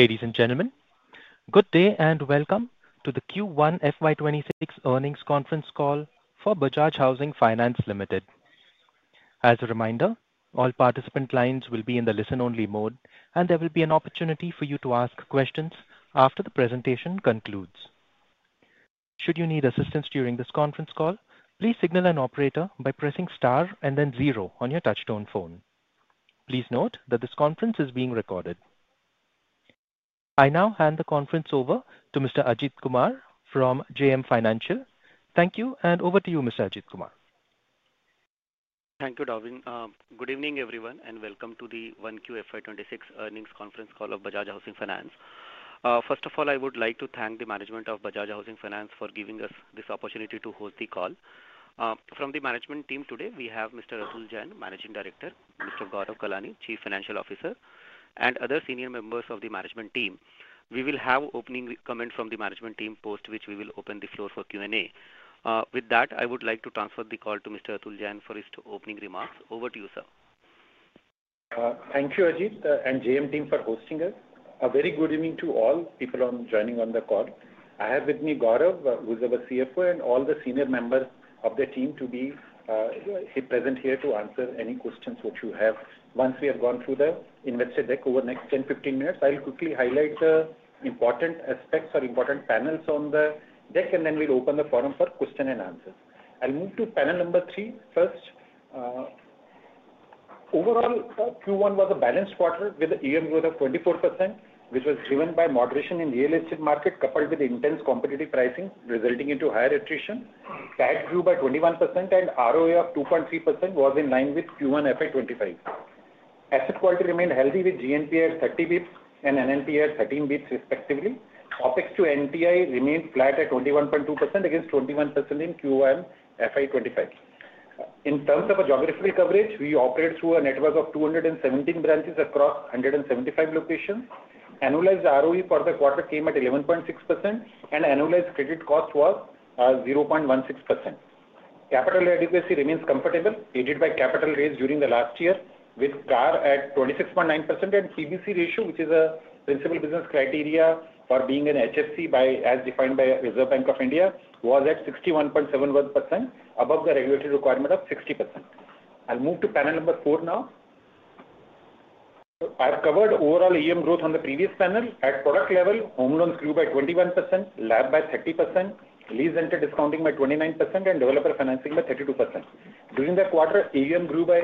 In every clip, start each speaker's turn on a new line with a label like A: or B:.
A: Ladies and gentlemen, good day and welcome to the Q1 FY2026 earnings conference call for Bajaj Housing Finance Limited. As a reminder, all participant lines will be in the listen-only mode, and there will be an opportunity for you to ask questions after the presentation concludes. Should you need assistance during this conference call, please signal an operator by pressing star and then zero on your touch-tone phone. Please note that this conference is being recorded. I now hand the conference over to Mr. Ajit Kumar from JM Financial. Thank you, and over to you, Mr. Ajit Kumar.
B: Thank you, Darwin. Good evening everyone, and welcome to the 1QFY2026 earnings conference call of Bajaj Housing Finance. First of all, I would like to thank the management of Bajaj Housing Finance for giving us this opportunity to host the call. From the management team today, we have Mr. Atul Jain, Managing Director, Mr. Gaurav Kalani, Chief Financial Officer, and other senior members of the management team. We will have opening comments from the management team, post which we will open the floor for Q&A. With that, I would like to transfer the call to Mr. Atul Jain for his opening remarks. Over to you, sir.
C: Thank you, Ajit, and JM team for hosting us. A very good evening to all people joining on the call. I have with me Gaurav, who is our CFO, and all the senior members of the team to be present here to answer any questions which you have once we have gone through the invested deck over the next 10-15 minutes. I'll quickly highlight the important aspects or important panels on the deck, and then we'll open the forum for question and answers. I'll move to panel number three first. Overall, Q1 was a balanced quarter with an AUM growth of 24%, which was driven by moderation in real estate market coupled with intense competitive pricing resulting in higher attrition. PAT grew by 21%, and ROA of 2.3% was in line with Q1FY2025. Asset quality remained healthy with GNPA at 30 basis points and NNPA at 13 basis points, respectively. OpEx to NTI remained flat at 21.2% against 21% in Q1FY2025. In terms of geographical coverage, we operate through a network of 217 branches across 175 locations. Annualized ROE for the quarter came at 11.6%, and annualized credit cost was 0.16%. Capital adequacy remains comfortable, aided by capital raised during the last year with CRAR at 26.9%, and PBC ratio, which is a principal business criteria for being an HFC as defined by Reserve Bank of India, was at 61.71%, above the regulatory requirement of 60%. I'll move to panel number four now. I've covered overall AUM growth on the previous panel. At product level, home loans grew by 21%, LAP by 30%, lease rental discounting by 29%, and developer financing by 32%. During the quarter, AUM grew by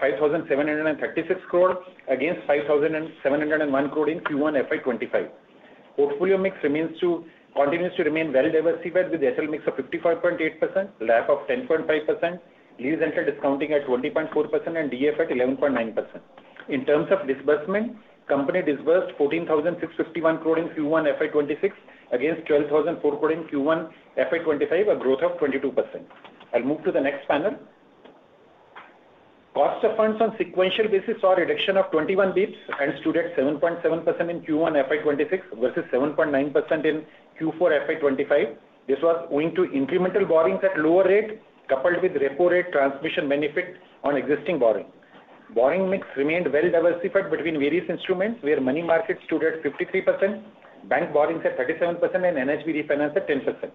C: 5,736 crore against 5,701 crore in Q1FY2025. Portfolio mix continues to remain well-diversified with HL mix of 55.8%, LAP of 10.5%, lease rental discounting at 20.4%, and DF at 11.9%. In terms of disbursement, company disbursed 14,651 crore in Q1FY2026 against 12,004 crore in Q1 FY2025, a growth of 22%. I'll move to the next panel. Cost of funds on sequential basis saw a reduction of 21 basis points and stood at 7.7% in Q1 FY2026 versus 7.9% in Q4FY2025. This was owing to incremental borrowings at lower rate coupled with repo rate transmission benefit on existing borrowing. Borrowing mix remained well-diversified between various instruments where money market stood at 53%, bank borrowings at 37%, and NHB refinance at 10%.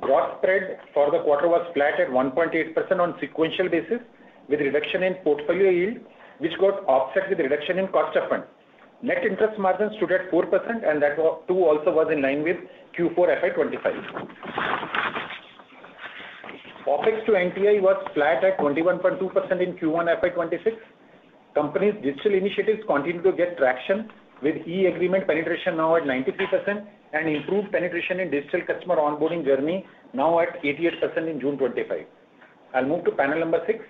C: Broad spread for the quarter was flat at 1.8% on sequential basis with reduction in portfolio yield, which got offset with reduction in cost of funds. Net interest margin stood at 4%, and that too also was in line with Q4FY2025. OpEx to NTI was flat at 21.2% in Q1FY2026. Company's digital initiatives continue to get traction with e-agreement penetration now at 93% and improved penetration in digital customer onboarding journey now at 88% in June 2025. I'll move to panel number six.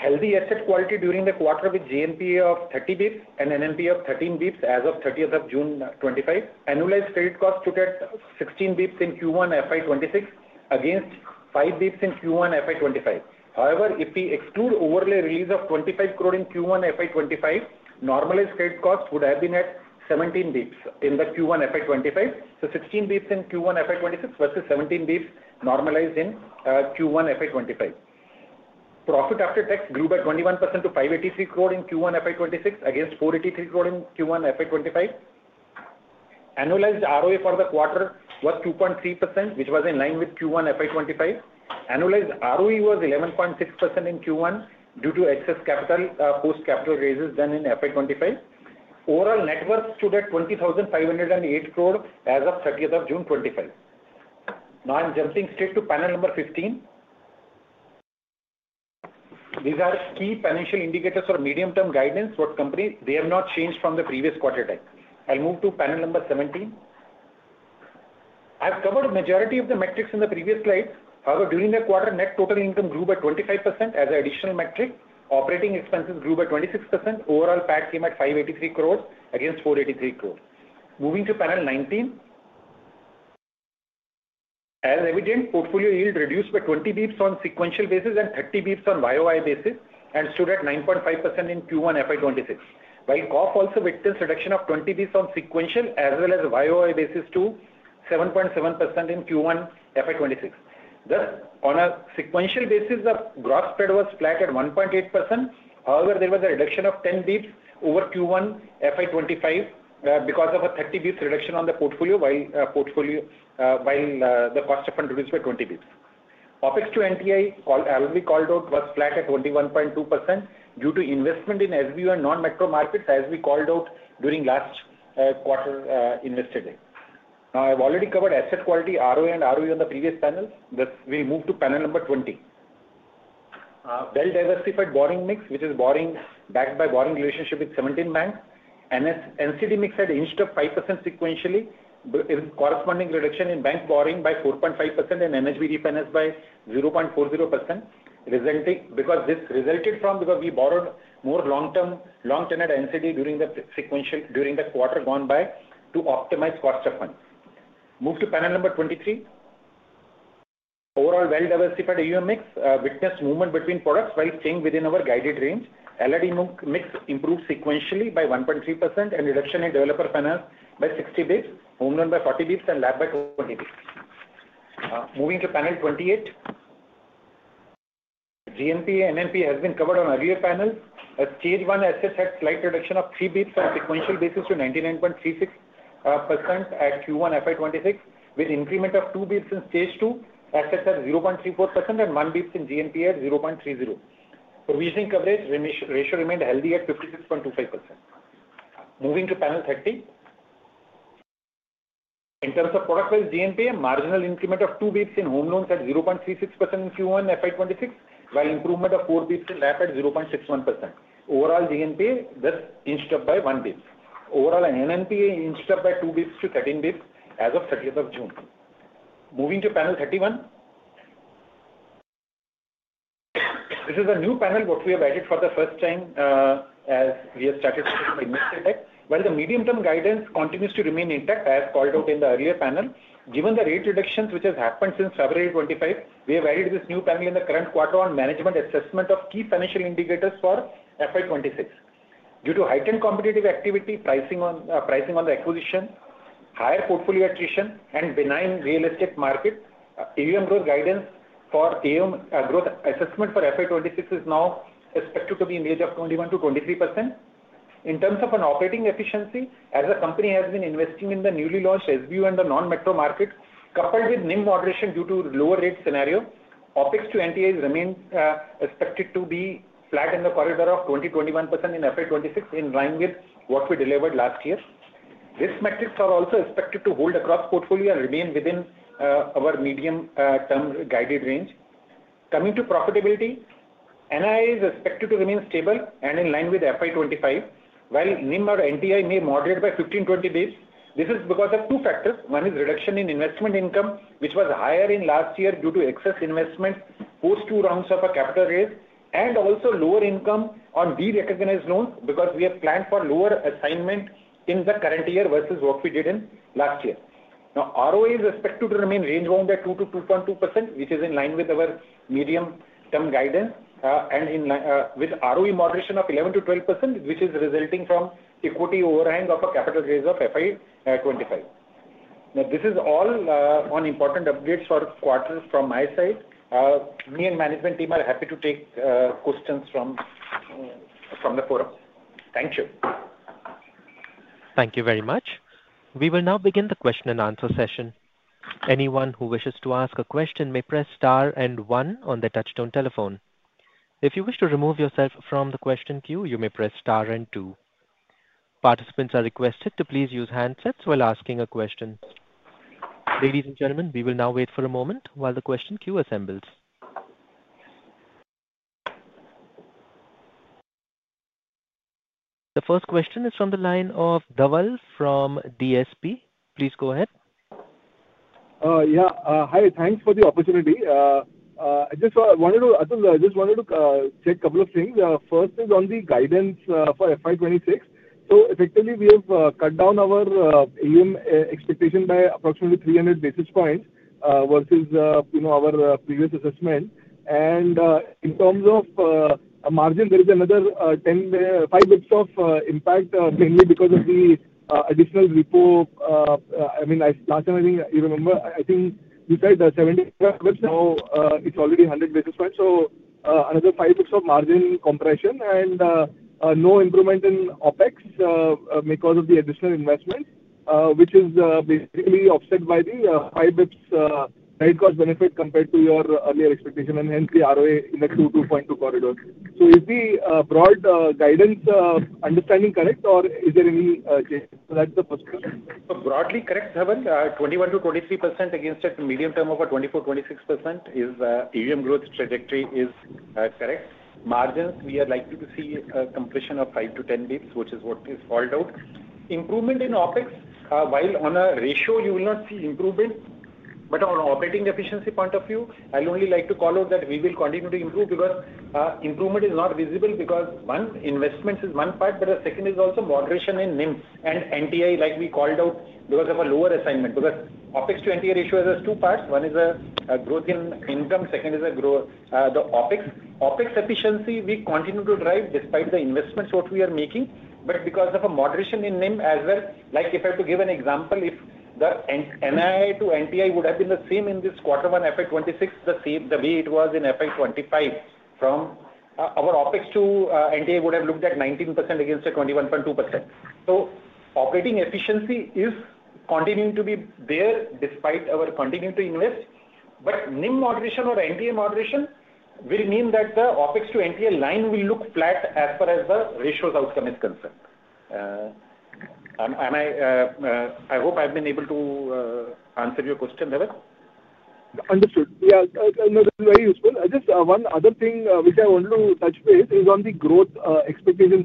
C: Healthy asset quality during the quarter with GNPA of 30 basis points and NNPA of 13 basis points as of 30th of June 2025. Annualized credit cost stood at 16 basis points in Q1FY2026 against five basis points in Q1 FY2025. However, if we exclude overlay release of 250 million in Q1 FY2025, normalized credit cost would have been at 17 basis points in Q1 FY2025. So, 16 basis points in Q1 FY2026 versus 17 basis points normalized in Q1 FY2025. Profit after tax grew by 21% to 5.83 billion in Q1 FY2026 against 4.83 billion in Q1 FY2025. Annualized ROA for the quarter was 2.3%, which was in line with Q1 FY2025. Annualized ROE was 11.6% in Q1 due to excess capital post capital raises done in FY2025. Overall net worth stood at 20.508 billion as of 30th of June 2025. Now, I'm jumping straight to panel number 15. These are key financial indicators for medium-term guidance, but they have not changed from the previous quarter type. I'll move to panel number 17. I've covered the majority of the metrics in the previous slides. However, during the quarter, net total income grew by 25% as an additional metric. Operating expenses grew by 26%. Overall PAT came at 583 billion against 483 billion. Moving to panel 19. As evident, portfolio yield reduced by 20 basis points on sequential basis and 30 basis points on year-on-year basis and stood at 9.5% in Q1 FY2026. While cost of funds also witnessed a reduction of 20 basis points on sequential as well as year-on-year basis to 7.7% in Q1 FY2026. Thus, on a sequential basis, the broad spread was flat at 1.8%. However, there was a reduction of 10 basis points over Q1 FY2025 because of a 30 basis points reduction on the portfolio yield. The cost of funds reduced by 20 basis points. OpEx to NTI, as we called out, was flat at 21.2% due to investment in SBU and non-metro markets, as we called out during last quarter investor day. Now, I've already covered asset quality, ROA, and ROE on the previous panels. We move to panel number 20. Well-diversified borrowing mix, which is borrowing backed by borrowing relationship with 17 banks. NCD mix had inched up 5% sequentially. Corresponding reduction in bank borrowing by 4.5% and NHB refinance by 0.40%. This resulted from we borrowed more long-term long-tenor NCD during the quarter gone by to optimize cost of funds. Move to panel number 23. Overall well-diversified AUM mix witnessed movement between products while staying within our guided range. LRD mix improved sequentially by 1.3% and reduction in developer finance by 60 basis points, home loan by 40 basis points, and LAP by 20 basis points. Moving to panel 28. GNPA and NNPA has been covered on earlier panels. Stage 1 assets had slight reduction of 3 basis points on sequential basis to 99.36% at Q1 FY2026 with increment of 2 basis points in Stage 2 assets at 0.34% and 1 basis point in GNPA at 0.30%. Provisioning coverage ratio remained healthy at 56.25%. Moving to panel 30. In terms of product-wise GNPA, marginal increment of 2 basis points in home loans at 0.36% in Q1 FY2026 while improvement of 4 basis points in LAP at 0.61%. Overall GNPA thus inched up by 1 basis point. Overall NNPA inched up by 2 basis points to 13 basis points as of 30th of June. Moving to panel 31. This is a new panel which we have added for the first time. As we have started focusing on invested deck. While the medium-term guidance continues to remain intact as called out in the earlier panel, given the rate reductions which have happened since February 25, we have added this new panel in the current quarter on management assessment of key financial indicators for FY2026. Due to heightened competitive activity, pricing on the acquisition, higher portfolio attrition, and benign real estate market, AUM growth assessment for FY2026 is now expected to be in the range of 21% to 23%. In terms of operating efficiency, as the company has been investing in the newly launched SBU and the non-metro market coupled with NIM moderation due to lower rate scenario, OpEx to NTI remains expected to be flat in the corridor of 20%-21% in FY2026 in line with what we delivered last year. These metrics are also expected to hold across portfolio and remain within our medium-term guided range. Coming to profitability, NII is expected to remain stable and in line with FY2025. While NIM or NTI may moderate by 15-20 basis points, this is because of two factors. One is reduction in investment income, which was higher in last year due to excess investment post two rounds of a capital raise, and also lower income on derecognized loans because we have planned for lower assignment in the current year versus what we did in last year. Now, ROA is expected to remain range-bound at 2%-2.2%, which is in line with our medium-term guidance and with ROE moderation of 11%-12%, which is resulting from equity overhang of a capital raise of FY2025. Now, this is all on important updates for quarters from my side. Me and the management team are happy to take questions from the forum. Thank you.
A: Thank you very much. We will now begin the question and answer session. Anyone who wishes to ask a question may press star and one on the touch-tone telephone. If you wish to remove yourself from the question queue, you may press star and two. Participants are requested to please use handsets while asking a question. Ladies and gentlemen, we will now wait for a moment while the question queue assembles. The first question is from the line of Dhaval from DSP. Please go ahead.
D: Yeah. Hi. Thanks for the opportunity. I just wanted to check a couple of things. First is on the guidance for FY2026. Effectively, we have cut down our AUM expectation by approximately 300 basis points versus our previous assessment. In terms of margin, there is another 5 basis points of impact, mainly because of the additional repo. I mean, last time I think you remember, I think you said 70 basis points. Now it is already 100 basis points. Another 5 basis points of margin compression and no improvement in OpEx because of the additional investment, which is basically offset by the 5 basis points net cost benefit compared to your earlier expectation and hence the ROA in the 2.2 corridor. Is the broad guidance understanding correct or is there any change? That is the first question.
C: Broadly correct, Dhaval. 21%-23% against at medium term over 24%-26% is AUM growth trajectory is correct. Margins, we are likely to see a completion of 5 to 10 basis points, which is what is called out. Improvement in OpEx, while on a ratio, you will not see improvement. But on an operating efficiency point of view, I'll only like to call out that we will continue to improve because improvement is not visible because one, investments is one part, but the second is also moderation in NIM and NTI, like we called out, because of a lower assignment. Because OpEx to NTI ratio has two parts. One is a growth in income, second is the OpEx. OpEx efficiency, we continue to drive despite the investments what we are making. But because of a moderation in NIM as well, like if I have to give an example, if the NII to NTI would have been the same in this quarter one FY2026, the way it was in FY2025, from our OpEx to NTI would have looked at 19% against 21.2%. So operating efficiency is continuing to be there despite our continuing to invest. But NIM moderation or NTI moderation will mean that the OpEx to NTI line will look flat as far as the ratios outcome is concerned. I hope I've been able to answer your question, Dhaval.
D: Understood. Yeah. No, this is very useful. Just one other thing which I wanted to touch base is on the growth expectation.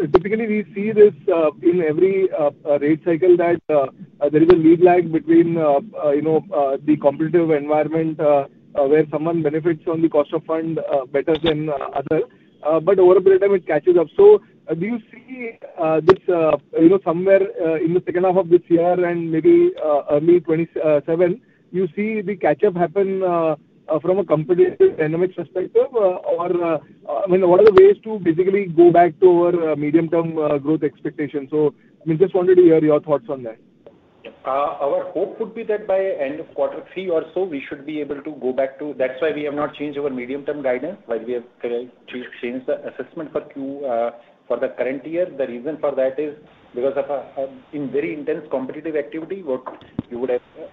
D: Typically, we see this in every rate cycle that there is a lead lag between the competitive environment, where someone benefits on the cost of fund better than others. Over a period of time, it catches up. Do you see this somewhere in the second half of this year and maybe early 2027, you see the catch-up happen from a competitive dynamics perspective? I mean, what are the ways to basically go back to our medium-term growth expectation? I mean, just wanted to hear your thoughts on that.
C: Our hope would be that by end of quarter three or so, we should be able to go back to, that's why we have not changed our medium-term guidance. Why we have changed the assessment for the current year. The reason for that is because of very intense competitive activity.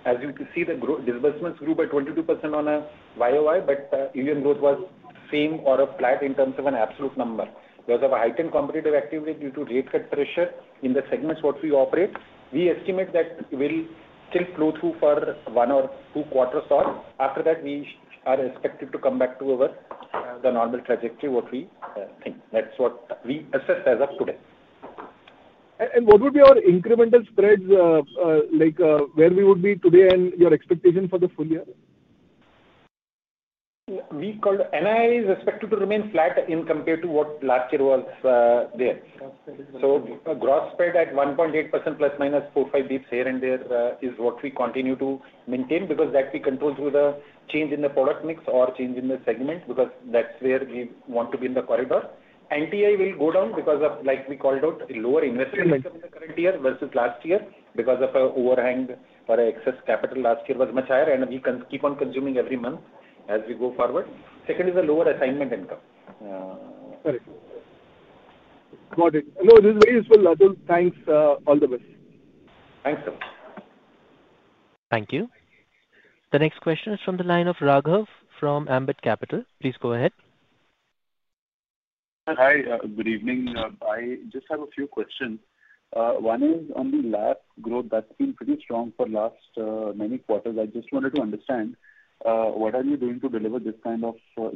C: As you can see, the disbursements grew by 22% on a YoY, but AUM growth was same or flat in terms of an absolute number. Because of a heightened competitive activity due to rate cut pressure in the segments what we operate, we estimate that will still flow through for one or two quarters or after that, we are expected to come back to the normal trajectory what we think. That's what we assess as of today.
D: What would be our incremental spreads? Where would we be today and your expectation for the full year?
C: NII is expected to remain flat in compared to what last year was there. Growth spread at 1.8% plus minus 4-5 basis points here and there is what we continue to maintain because that we control through the change in the product mix or change in the segment because that's where we want to be in the corridor. NTI will go down because of, like we called out, lower investment income in the current year versus last year because of an overhang for excess capital last year was much higher and we keep on consuming every month as we go forward. Second is a lower assignment income.
D: Got it. No, this is very useful. Thanks. All the best.
C: Thanks Dhaval.
A: Thank you. The next question is from the line of Raghav from Ambit Capital. Please go ahead.
E: Hi. Good evening. I just have a few questions. One is on the LAP growth. That's been pretty strong for the last many quarters. I just wanted to understand. What are you doing to deliver this kind of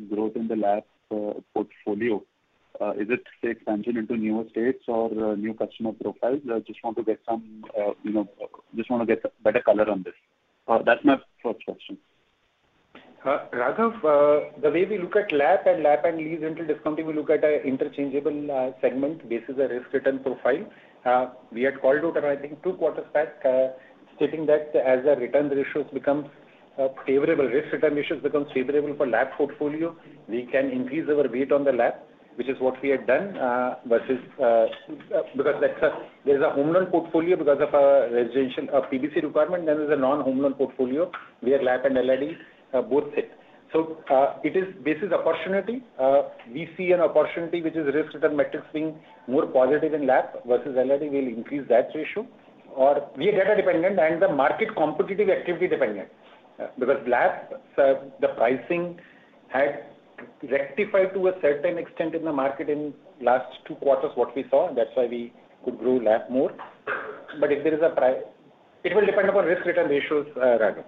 E: growth in the LAP portfolio? Is it expansion into newer states or new customer profiles? I just want to get some. Just want to get better color on this. That's my first question.
C: Raghav, the way we look at LAP and LAP and lease rental discounting, we look at an interchangeable segment basis as a risk-return profile. We had called out, I think, two quarters back, stating that as the return ratios become favorable, risk-return ratios become favorable for LAP portfolio, we can increase our weight on the LAP, which is what we had done versus. Because there is a home loan portfolio because of a PBC requirement, then there is a non-home loan portfolio where LAP and LRD both fit. It is basically opportunity. We see an opportunity which is risk-return metrics being more positive in LAP versus LRD, we will increase that ratio. We are data-dependent and the market competitive activity dependent. Because LAP, the pricing had rectified to a certain extent in the market in last two quarters what we saw. That is why we could grow LAP more. If there is a. It will depend upon risk-return ratios, Raghav.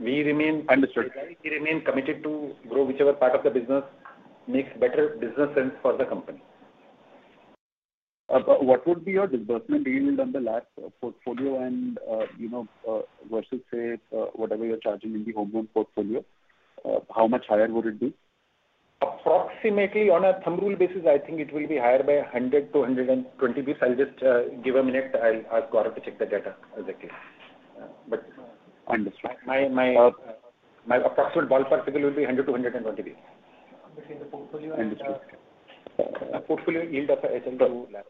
C: We remain understood. We remain committed to grow whichever part of the business makes better business sense for the company.
E: What would be your disbursement yield on the LAP portfolio and versus say whatever you're charging in the home loan portfolio? How much higher would it be?
C: Approximately on a thumb rule basis, I think it will be higher by 100-120 basis points. I'll just give a minute. I'll ask Gaurav to check the data exactly.
E: Understood.
C: My approximate ballpark figure will be 100 to 120 basis points.
F: Between the portfolio and.
C: Portfolio yield of HL2 lab.
E: HL2 lab. 1%.
C: 100 basis points. Which I said 100 to 120 basis points.
E: Okay.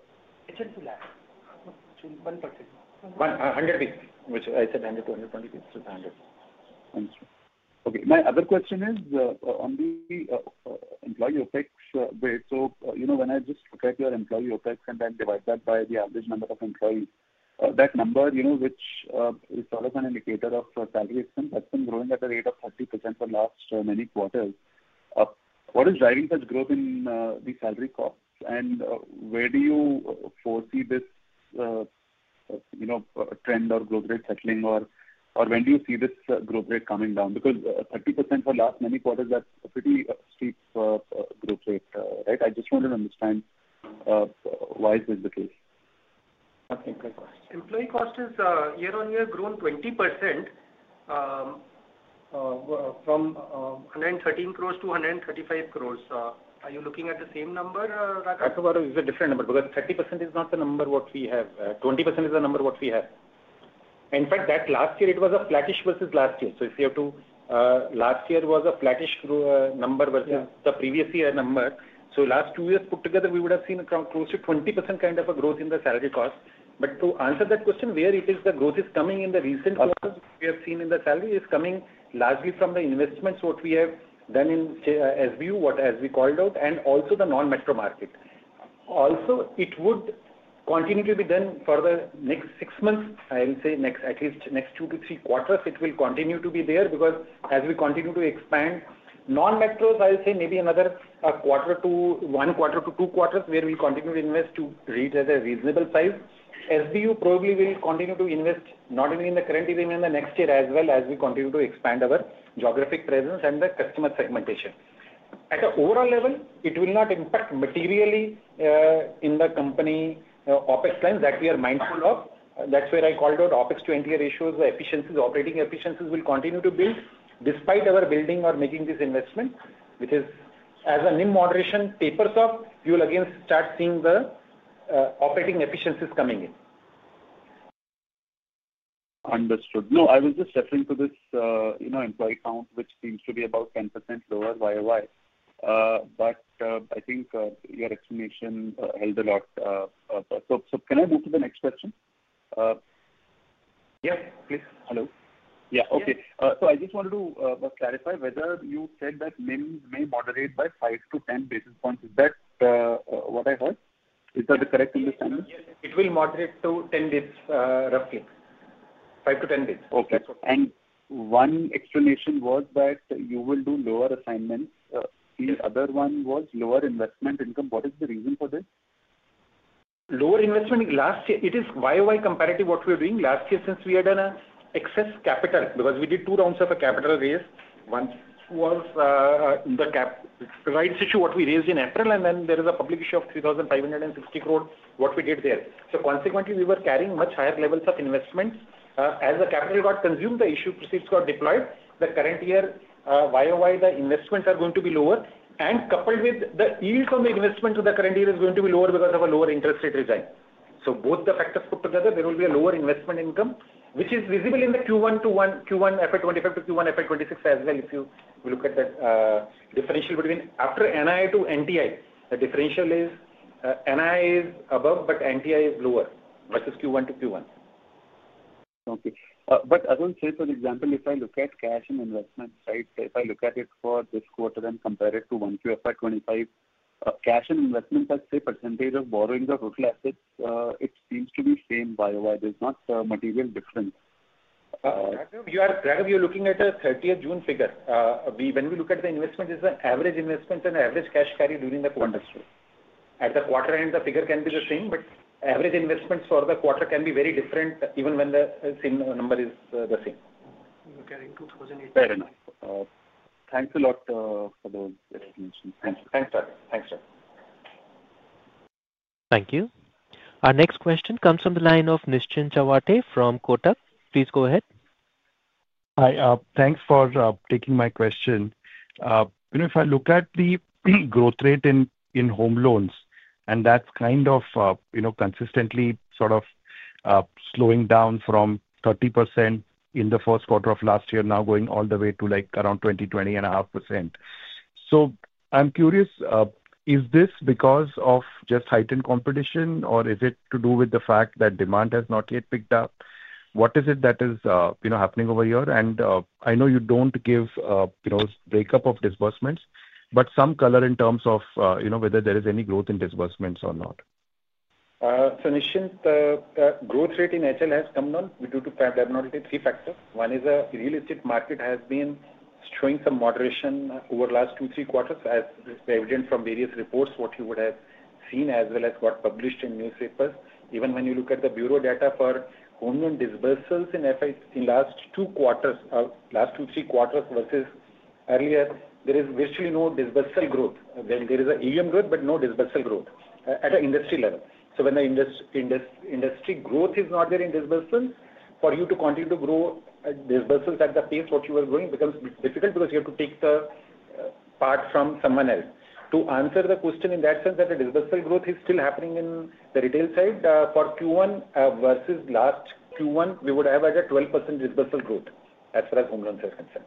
E: My other question is on the employee OpEx rate. When I just look at your employee OpEx and then divide that by the average number of employees, that number, which is sort of an indicator of salary expense, has been growing at a rate of 30% for the last many quarters. What is driving such growth in the salary costs? Where do you foresee this trend or growth rate settling? When do you see this growth rate coming down? Because 30% for the last many quarters is a pretty steep growth rate, right? I just wanted to understand why is this the case?
F: Okay. Good question. Employee cost has year-on-year grown 20%. From 113 crore to 135 crore. Are you looking at the same number, Raghav?
C: It's a different number because 30% is not the number what we have. 20% is the number what we have. In fact, last year, it was a flattish versus last year. If you have to, last year was a flattish number versus the previous year number. Last two years put together, we would have seen close to 20% kind of a growth in the salary cost. To answer that question, where is the growth coming in the recent quarters, we have seen in the salary is coming largely from the investments what we have done in SBU, what as we called out, and also the non-metro market. Also, it would continue to be done for the next six months. I'll say at least next two to three quarters, it will continue to be there because as we continue to expand non-metros, I'll say maybe another one quarter to two quarters where we continue to invest to reach as a reasonable size. SBU probably will continue to invest not only in the current year but in the next year as well as we continue to expand our geographic presence and the customer segmentation. At an overall level, it will not impact materially in the company OpEx lines that we are mindful of. That's where I called out OpEx to NTI ratios, the efficiencies, operating efficiencies will continue to build despite our building or making this investment, which is as a NIM moderation tapers off, you will again start seeing the operating efficiencies coming in.
E: Understood. I was just referring to this employee count, which seems to be about 10% lower YoY. I think your explanation held a lot. Can I move to the next question?
C: Yeah. Please. Hello.
E: Yeah. Okay. So I just wanted to clarify whether you said that NIM may moderate by 5-10 basis points. Is that what I heard? Is that the correct understanding?
C: It will moderate to 10 basis points, roughly. 5 to 10 basis points.
E: Okay. One explanation was that you will do lower assignments. The other one was lower investment income. What is the reason for this?
C: Lower investment last year, it is YoY comparative what we are doing last year since we had done an excess capital because we did two rounds of a capital raise. One was in the rights issue what we raised in April, and then there is a public issue of 3,560 crore what we did there. Consequently, we were carrying much higher levels of investments. As the capital got consumed, the issue proceeds got deployed. The current year YoY, the investments are going to be lower. Coupled with the yields on the investment of the current year is going to be lower because of a lower interest rate regime. Both the factors put together, there will be a lower investment income, which is visible in the Q1 to Q1 FY2025 to Q1 FY2026 as well. If you look at the differential between after NII to NTI, the differential is NII is above, but NTI is lower versus Q1 to Q1.
E: Okay. I will say for example, if I look at cash and investment side, if I look at it for this quarter and compare it to one Q1 FY 2025, cash and investments, I'd say percentage of borrowing of total assets, it seems to be same YoY. There's not a material difference.
C: Raghav, you're looking at a 30th of June figure. When we look at the investment, it's an average investment and average cash carry during the quarter. At the quarter end, the figure can be the same, but average investments for the quarter can be very different even when the same number is the same.
E: Okay. Thank you a lot for those explanations.
C: Thanks, Raghav.
A: Thank you. Our next question comes from the line of Nischint Chawathe from Kotak. Please go ahead.
G: Hi, thanks for taking my question. If I look at the growth rate in home loans, and that's kind of consistently sort of slowing down from 30% in the first quarter of last year, now going all the way to around 20-20.5%. I am curious, is this because of just heightened competition, or is it to do with the fact that demand has not yet picked up? What is it that is happening over here? I know you do not give a breakup of disbursements, but some color in terms of whether there is any growth in disbursements or not.
C: Nischint, the growth rate in HL has come down due to, I have noted it, three factors. One is a real estate market has been showing some moderation over the last two to three quarters, as evident from various reports, what you would have seen as well as what published in newspapers. Even when you look at the bureau data for home loan disbursals in the last two quarters, last two-three quarters versus earlier, there is virtually no disbursal growth. There is an AUM growth, but no disbursal growth at an industry level. When the industry growth is not there in disbursements, for you to continue to grow disbursals at the pace what you are growing becomes difficult because you have to take the part from someone else. To answer the question in that sense, the disbursal growth is still happening in the retail side for Q1 versus last Q1, we would have had a 12% disbursal growth as far as home loans are concerned.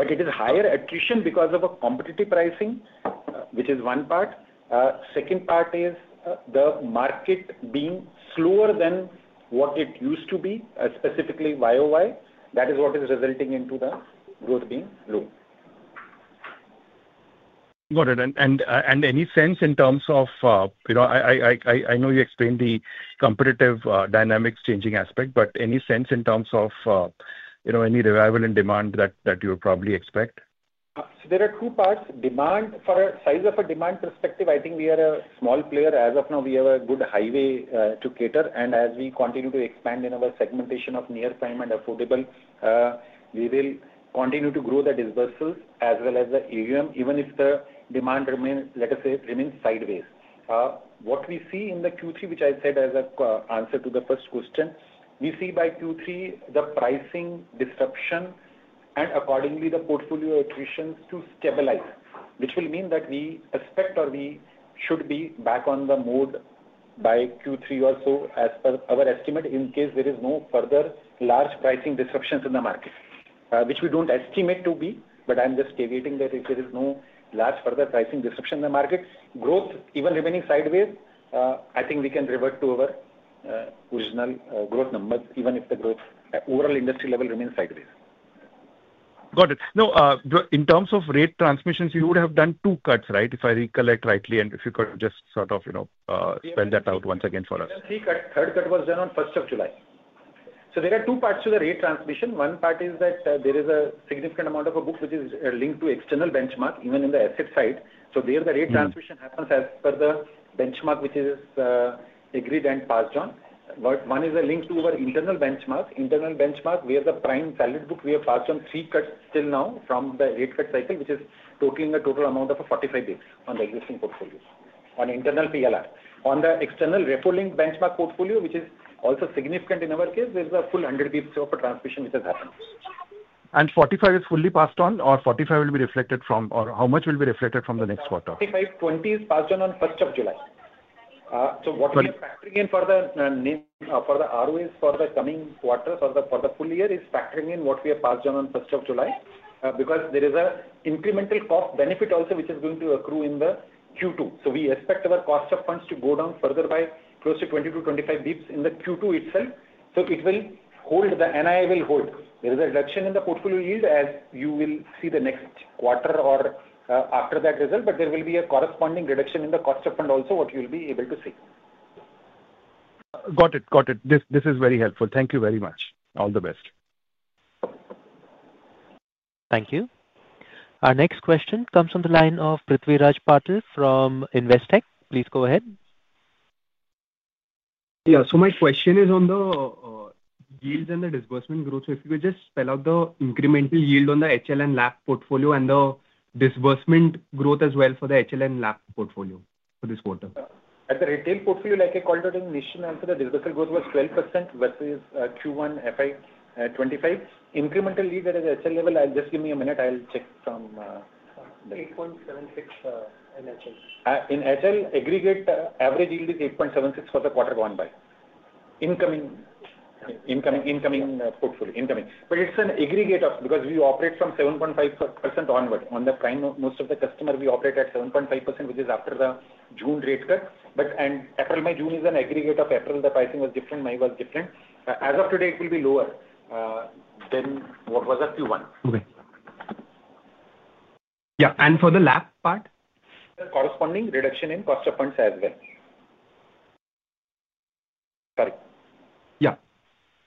C: It is higher attrition because of a competitive pricing, which is one part. Second part is the market being slower than what it used to be, specifically YOY. That is what is resulting into the growth being low.
G: Got it. Any sense in terms of, I know you explained the competitive dynamics changing aspect, but any sense in terms of any revival in demand that you would probably expect?
C: There are two parts. Demand for a size of a demand perspective, I think we are a small player. As of now, we have a good highway to cater. As we continue to expand in our segmentation of near-time and affordable, we will continue to grow the disbursals as well as the AUM, even if the demand, let us say, remains sideways. What we see in Q3, which I said as an answer to the first question, we see by Q3 the pricing disruption and accordingly the portfolio attritions to stabilize, which will mean that we expect or we should be back on the mode by Q3 or so as per our estimate in case there is no further large pricing disruptions in the market, which we do not estimate to be, but I am just deviating that if there is no large further pricing disruption in the market, growth even remaining sideways, I think we can revert to our original growth numbers even if the growth overall industry level remains sideways.
G: Got it. Now, in terms of rate transmissions, you would have done two cuts, right? If I recollect rightly and if you could just sort of spell that out once again for us.
C: Third cut was done on 1st of July. There are two parts to the rate transmission. One part is that there is a significant amount of a book which is linked to external benchmark, even in the asset side. There the rate transmission happens as per the benchmark which is agreed and passed on. One is linked to our internal benchmark. Internal benchmark where the prime salary book, we have passed on three cuts till now from the rate cut cycle, which is totaling a total amount of 45 basis points on the existing portfolios on internal PLR. On the external repo link benchmark portfolio, which is also significant in our case, there is a full 100 basis points of a transmission which has happened.
G: 45 is fully passed on or 45 will be reflected from or how much will be reflected from the next quarter?
C: 45, 20 is passed on on 1st of July. What we are factoring in for the ROAs for the coming quarters or for the full year is factoring in what we have passed on on 1st of July because there is an incremental cost benefit also which is going to accrue in the Q2. We expect our cost of funds to go down further by close to 20-25 basis points in the Q2 itself. It will hold, the NII will hold. There is a reduction in the portfolio yield as you will see the next quarter or after that result, but there will be a corresponding reduction in the cost of fund also what you'll be able to see.
G: Got it. Got it. This is very helpful. Thank you very much. All the best.
A: Thank you. Our next question comes from the line of Prithviraj Patil from Investec. Please go ahead.
H: Yeah. My question is on the yield and the disbursement growth. If you could just spell out the incremental yield on the HL and LAP portfolio and the disbursement growth as well for the HL and LAP portfolio for this quarter.
C: At the retail portfolio, like I called out in Nischint also, the disbursal growth was 12% versus Q1 FY2025. Incremental yield at the HL level, just give me a minute. I'll check from.
F: 8.76 in HL.
C: In HL, aggregate average yield is 8.76% for the quarter gone by. Incoming, incoming portfolio, incoming. But it's an aggregate of because we operate from 7.5% onward. On the prime, most of the customer, we operate at 7.5%, which is after the June rate cut. April by June is an aggregate of April. The pricing was different. May was different. As of today, it will be lower than what was at Q1.
H: Okay. Yeah. And for the LAP part?
C: Corresponding reduction in cost of funds as well.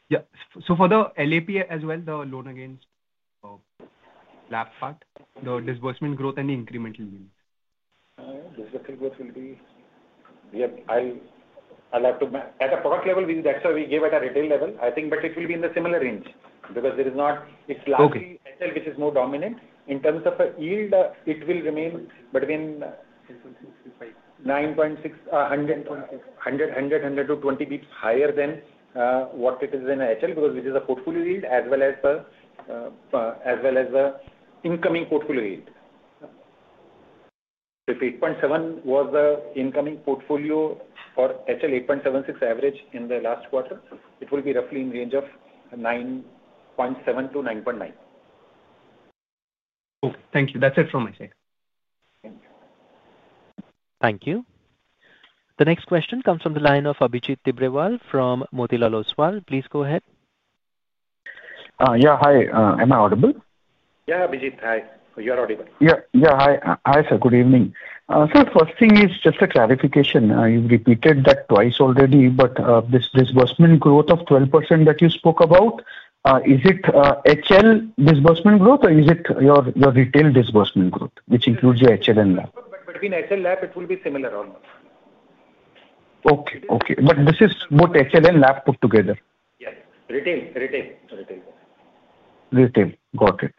C: Sorry.
H: Yeah. Yeah. For the LAP as well, the loan against property part, the disbursement growth and the incremental yield?
C: Disbursal growth will be. Yeah. I'll have to at a product level, that's why we gave at a retail level, I think, but it will be in the similar range because there is not, it's largely HL, which is more dominant. In terms of yield, it will remain between 9.6, 100-120 basis points higher than what it is in HL because it is a portfolio yield as well as the incoming portfolio yield. If 8.7 was the incoming portfolio for HL, 8.76 average in the last quarter, it will be roughly in range of 9.7-9.9.
H: Okay. Thank you. That's it from my side.
A: Thank you. The next question comes from the line of Abhijit Tibrewal from Motilal Oswal. Please go ahead.
I: Yeah. Hi. Am I audible?
C: Yeah, Abhijit. Hi. You're audible.
I: Yeah. Hi. Hi sir. Good evening. The first thing is just a clarification. You have repeated that twice already, but this disbursement growth of 12% that you spoke about, is it HL disbursement growth or is it your retail disbursement growth, which includes your HL and LAP?
C: Between HL and LAP, it will be similar almost.
I: Okay, okay. But this is both HL and LAP put together?
F: Yes. Retail, retail, retail.
I: Retail. Got it.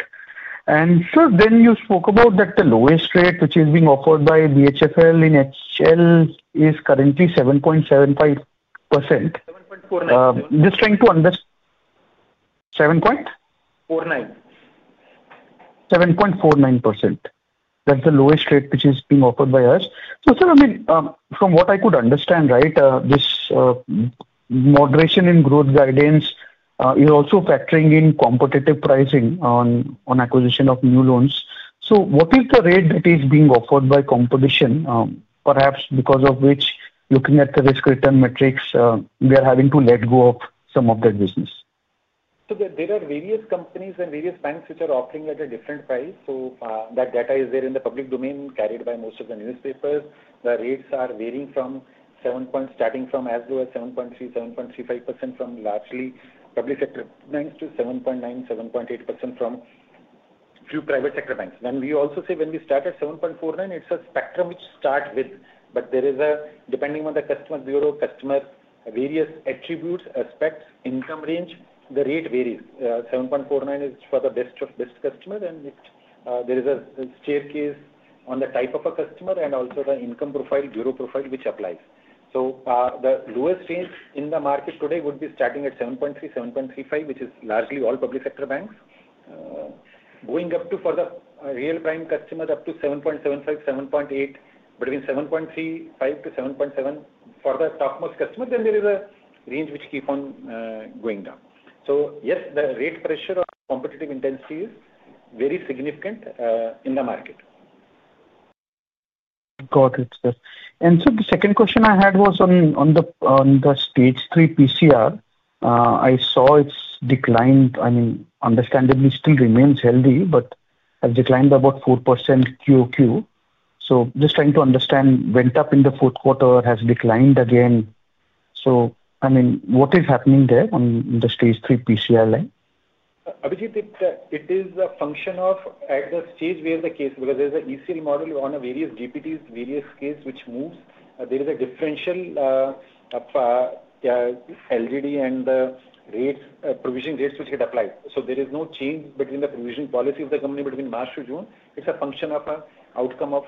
I: You spoke about that the lowest rate which is being offered by BHFL in HL is currently 7.75%.
C: 7.49%.
I: Just trying to understand. 7 point?
C: 49.
I: 7.49%? That's the lowest rate which is being offered by us. Sir, I mean, from what I could understand, right, this moderation in growth guidance is also factoring in competitive pricing on acquisition of new loans. What is the rate that is being offered by competition, perhaps because of which, looking at the risk-return metrics, we are having to let go of some of that business?
C: There are various companies and various banks which are offering at a different price. That data is there in the public domain carried by most of the newspapers. The rates are varying from 7.3-7.35% from largely public sector banks to 7.8-7.9% from a few private sector banks. When we also say when we start at 7.49%, it is a spectrum which starts with, but there is a depending on the customer bureau, customer various attributes, aspects, income range, the rate varies. 7.49% is for the best of best customer, and there is a staircase on the type of a customer and also the income profile, bureau profile which applies. The lowest range in the market today would be starting at 7.3-7.35%, which is largely all public sector banks. Going up to for the real prime customer, up to 7.75-7.8%, between 7.35-7.7% for the topmost customer, then there is a range which keeps on going down. Yes, the rate pressure or competitive intensity is very significant in the market.
I: Got it, sir. The second question I had was on the stage 3 PCR. I saw it's declined. I mean, understandably, still remains healthy, but has declined about 4% QOQ. Just trying to understand, went up in the fourth quarter, has declined again. I mean, what is happening there on the stage 3 PCR line?
F: Abhijit, it is a function of at the stage where the case because there's an ECL model on various DPDs, various cases which moves. There is a differential of LGD and the provisioning rates which get applied. There is no change between the provisioning policy of the company between March to June. It's a function of an outcome of,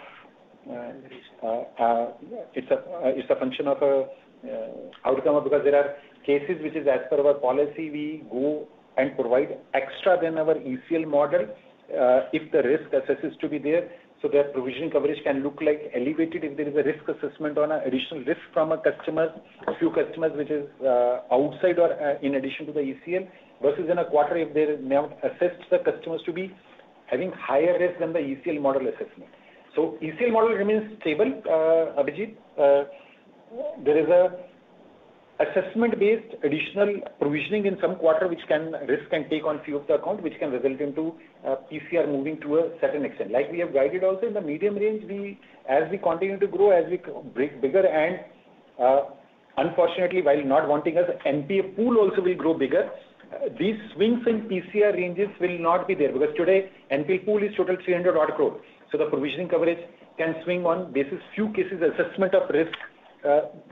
F: it's a function of an outcome of because there are cases which is as per our policy, we go and provide extra than our ECL model if the risk assess is to be there. The provisioning coverage can look like elevated if there is a risk assessment on an additional risk from a few customers which is outside or in addition to the ECL versus in a quarter if they're now assessed the customers to be having higher risk than the ECL model assessment. ECL model remains stable, Abhijit. There is an assessment-based additional provisioning in some quarter which can risk can take on a few of the account which can result into PCR moving to a certain extent. Like we have guided also in the medium range, as we continue to grow, as we break bigger and unfortunately, while not wanting us, NP pool also will grow bigger. These swings in PCR ranges will not be there because today NPA pool is total 300 crores odd. The provisioning coverage can swing on basis few cases assessment of risk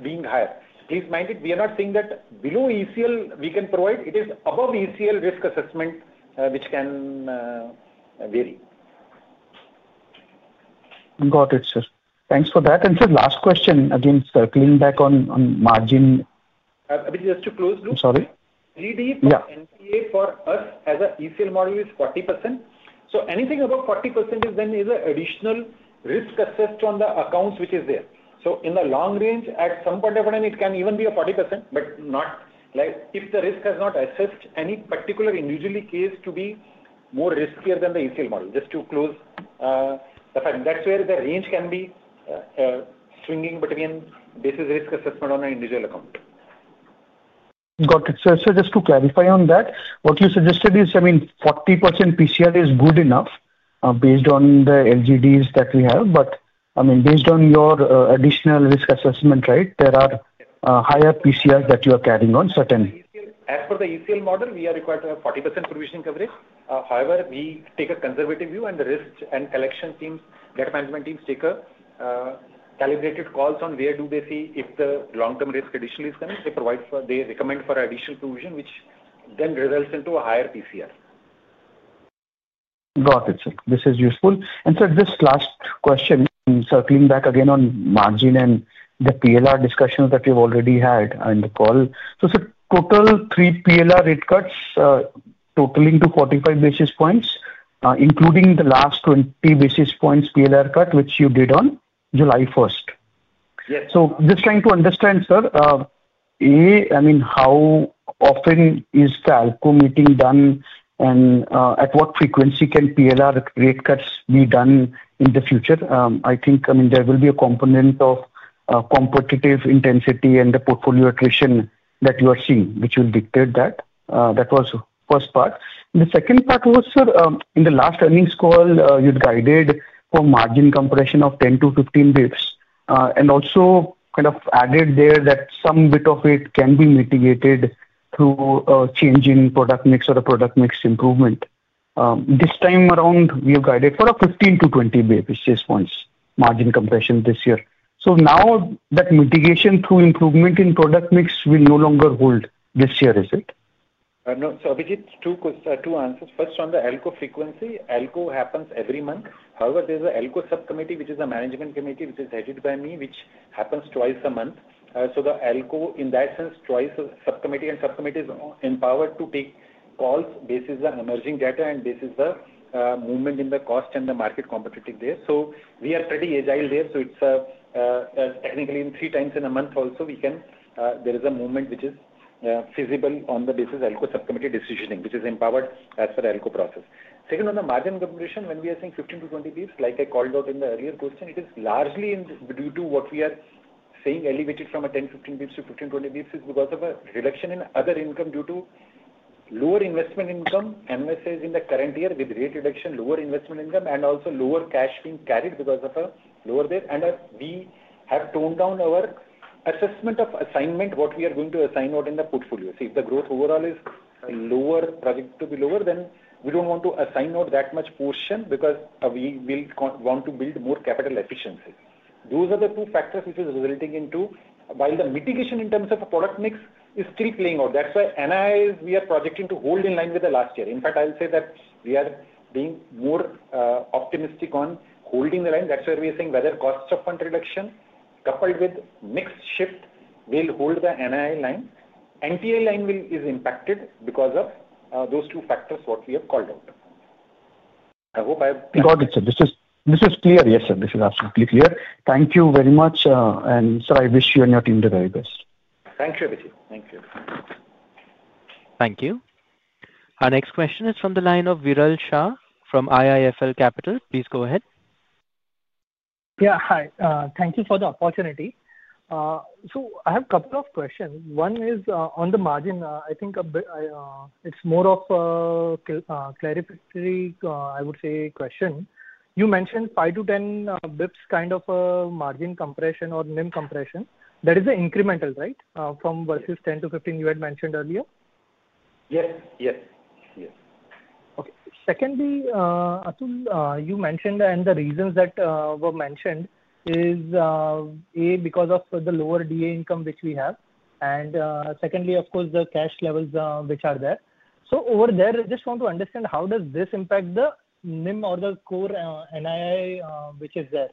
F: being higher. Please mind it, we are not saying that below ECL we can provide. It is above ECL risk assessment which can vary.
I: Got it, sir. Thanks for that. Sir, last question. Again, circling back on margin.
C: Abhijit, just to close loop.
I: Sorry.
C: LGD for us as an ECL model is 40%. So anything above 40% is then is an additional risk assessed on the accounts which is there. In the long range, at some point of time, it can even be a 40%, but not if the risk has not assessed any particular individually case to be more riskier than the ECL model. Just to close, the fact that is where the range can be swinging between basis risk assessment on an individual account.
I: Got it. Just to clarify on that, what you suggested is, I mean, 40% PCR is good enough based on the LGDs that we have, but, I mean, based on your additional risk assessment, right, there are higher PCRs that you are carrying on certain.
C: As for the ECL model, we are required to have 40% provisioning coverage. However, we take a conservative view and the risk and collection teams, data management teams take a calibrated call on where do they see if the long-term risk additionally is going to provide for, they recommend for additional provision which then results into a higher PCR.
I: Got it, sir. This is useful. And sir, just last question, circling back again on margin and the PLR discussion that we've already had in the call. So sir, total three PLR rate cuts totaling to 45 basis points, including the last 20 basis points PLR cut which you did on July 1st.
C: Yes.
I: So just trying to understand, sir. A, I mean, how often is the ALCO meeting done and at what frequency can PLR rate cuts be done in the future? I think, I mean, there will be a component of competitive intensity and the portfolio attrition that you are seeing, which will dictate that. That was first part. The second part was, sir, in the last earnings call, you'd guided for margin compression of 10-15 basis points. And also kind of added there that some bit of it can be mitigated through a change in product mix or a product mix improvement. This time around, we have guided for a 15-20 basis points margin compression this year. So now that mitigation through improvement in product mix will no longer hold this year, is it?
C: No. So Abhijit, two answers. First, on the ALCO frequency, ALCO happens every month. However, there is an ALCO subcommittee which is a management committee which is headed by me, which happens twice a month. The ALCO, in that sense, twice a subcommittee and subcommittee is empowered to take calls basis the emerging data and basis the movement in the cost and the market competitive there. We are pretty agile there. It is technically three times in a month also, there can be a movement which is feasible on the basis of ALCO subcommittee decision, which is empowered as per ALCO process. Second, on the margin compression, when we are saying 15-20 basis points, like I called out in the earlier question, it is largely due to what we are saying elevated from a 10-15 basis points to 15-20 basis points is because of a reduction in other income due to lower investment income NVSA is in the current year with rate reduction, lower investment income, and also lower cash being carried because of a lower there. We have toned down our assessment of assignment, what we are going to assign out in the portfolio. If the growth overall is lower, projected to be lower, then we do not want to assign out that much portion because we will want to build more capital efficiency. Those are the two factors which is resulting into, while the mitigation in terms of a product mix is still playing out. That is why NIIs we are projecting to hold in line with the last year. In fact, I will say that we are being more optimistic on holding the line. That is why we are saying whether cost of fund reduction coupled with mix shift will hold the NII line. NTI line is impacted because of those two factors what we have called out. I hope I have.
I: Got it, sir. This is clear. Yes, sir. This is absolutely clear. Thank you very much. Sir, I wish you and your team the very best.
C: Thank you, Abhijit. Thank you.
A: Thank you. Our next question is from the line of Viral Shah from IIFL Capital. Please go ahead.
J: Yeah. Hi. Thank you for the opportunity. I have a couple of questions. One is on the margin. I think it's more of a clarificatory, I would say, question. You mentioned 5-10 basis points kind of a margin compression or minimum compression. That is incremental, right, versus 10-15 you had mentioned earlier?
C: Yes. Yes. Yes.
J: Okay. Secondly, Atul, you mentioned and the reasons that were mentioned is, A, because of the lower DA income which we have. Secondly, of course, the cash levels which are there. Over there, I just want to understand how does this impact the minimum or the core NII which is there?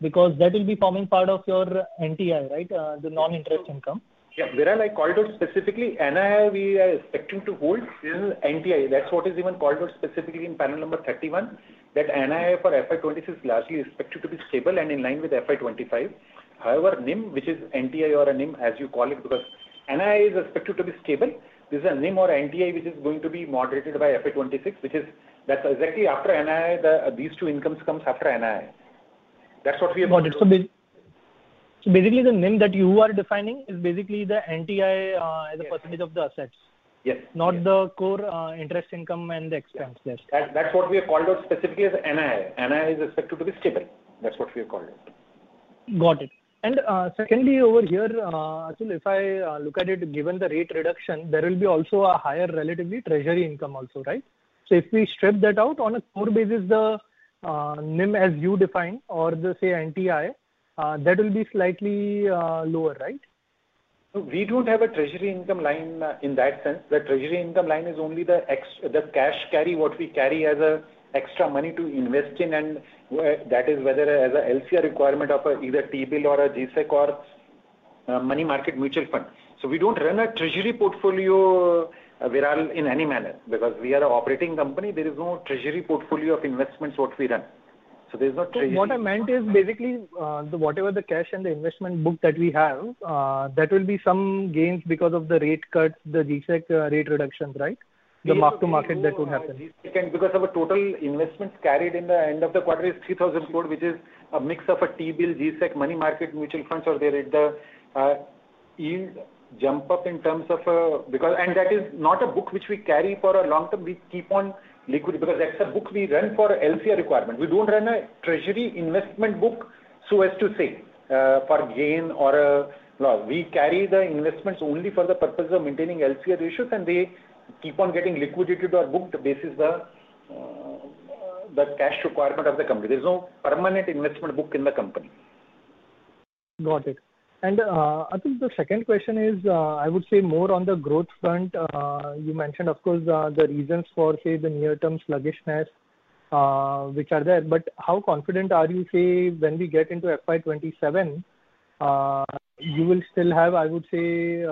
J: That will be forming part of your NTI, right, the non-interest income.
C: Yeah. Where I called out specifically, NII we are expecting to hold is NTI. That is what is even called out specifically in panel number 31, that NII for FY 2026 is largely expected to be stable and in line with FY 2025. However, NIM, which is NTI or NIM, as you call it, because NII is expected to be stable, there is a NIM or NTI which is going to be moderated by FY 2026, which is that is exactly after NII, these two incomes come after NII. That is what we have called.
J: Got it. Basically, the NIM that you are defining is basically the NTI as a percentage of the assets.
C: Yes.
J: Not the core interest income and the expense there.
C: That's what we have called out specifically as NII. NII is expected to be stable. That's what we have called out.
J: Got it. Secondly, over here, Atul, if I look at it, given the rate reduction, there will be also a higher relatively treasury income also, right? If we strip that out on a core basis, the NIM as you define or the, say, NTI, that will be slightly lower, right?
C: We do not have a treasury income line in that sense. The treasury income line is only the cash carry, what we carry as extra money to invest in, and that is whether as a LCR requirement of either T-bill or a GSEC or money market mutual fund. We do not run a treasury portfolio in any manner because we are an operating company. There is no treasury portfolio of investments that we run. There is no treasury.
J: What I meant is basically whatever the cash and the investment book that we have, that will be some gains because of the rate cuts, the GSEC rate reductions, right? The mark to market that will happen.
C: Because the total investment carried at the end of the quarter is 3,000 crore, which is a mix of T-bill, GSEC, money market mutual funds, or there is the yield jump up in terms of because and that is not a book which we carry for a long term. We keep on liquid because that is a book we run for LCR requirement. We do not run a treasury investment book so as to say for gain or a loss. We carry the investments only for the purpose of maintaining LCR ratios, and they keep on getting liquidated or booked basis the cash requirement of the company. There is no permanent investment book in the company.
J: Got it. I think the second question is, I would say, more on the growth front. You mentioned, of course, the reasons for, say, the near-term sluggishness, which are there. How confident are you, say, when we get into FY 2027? You will still have, I would say,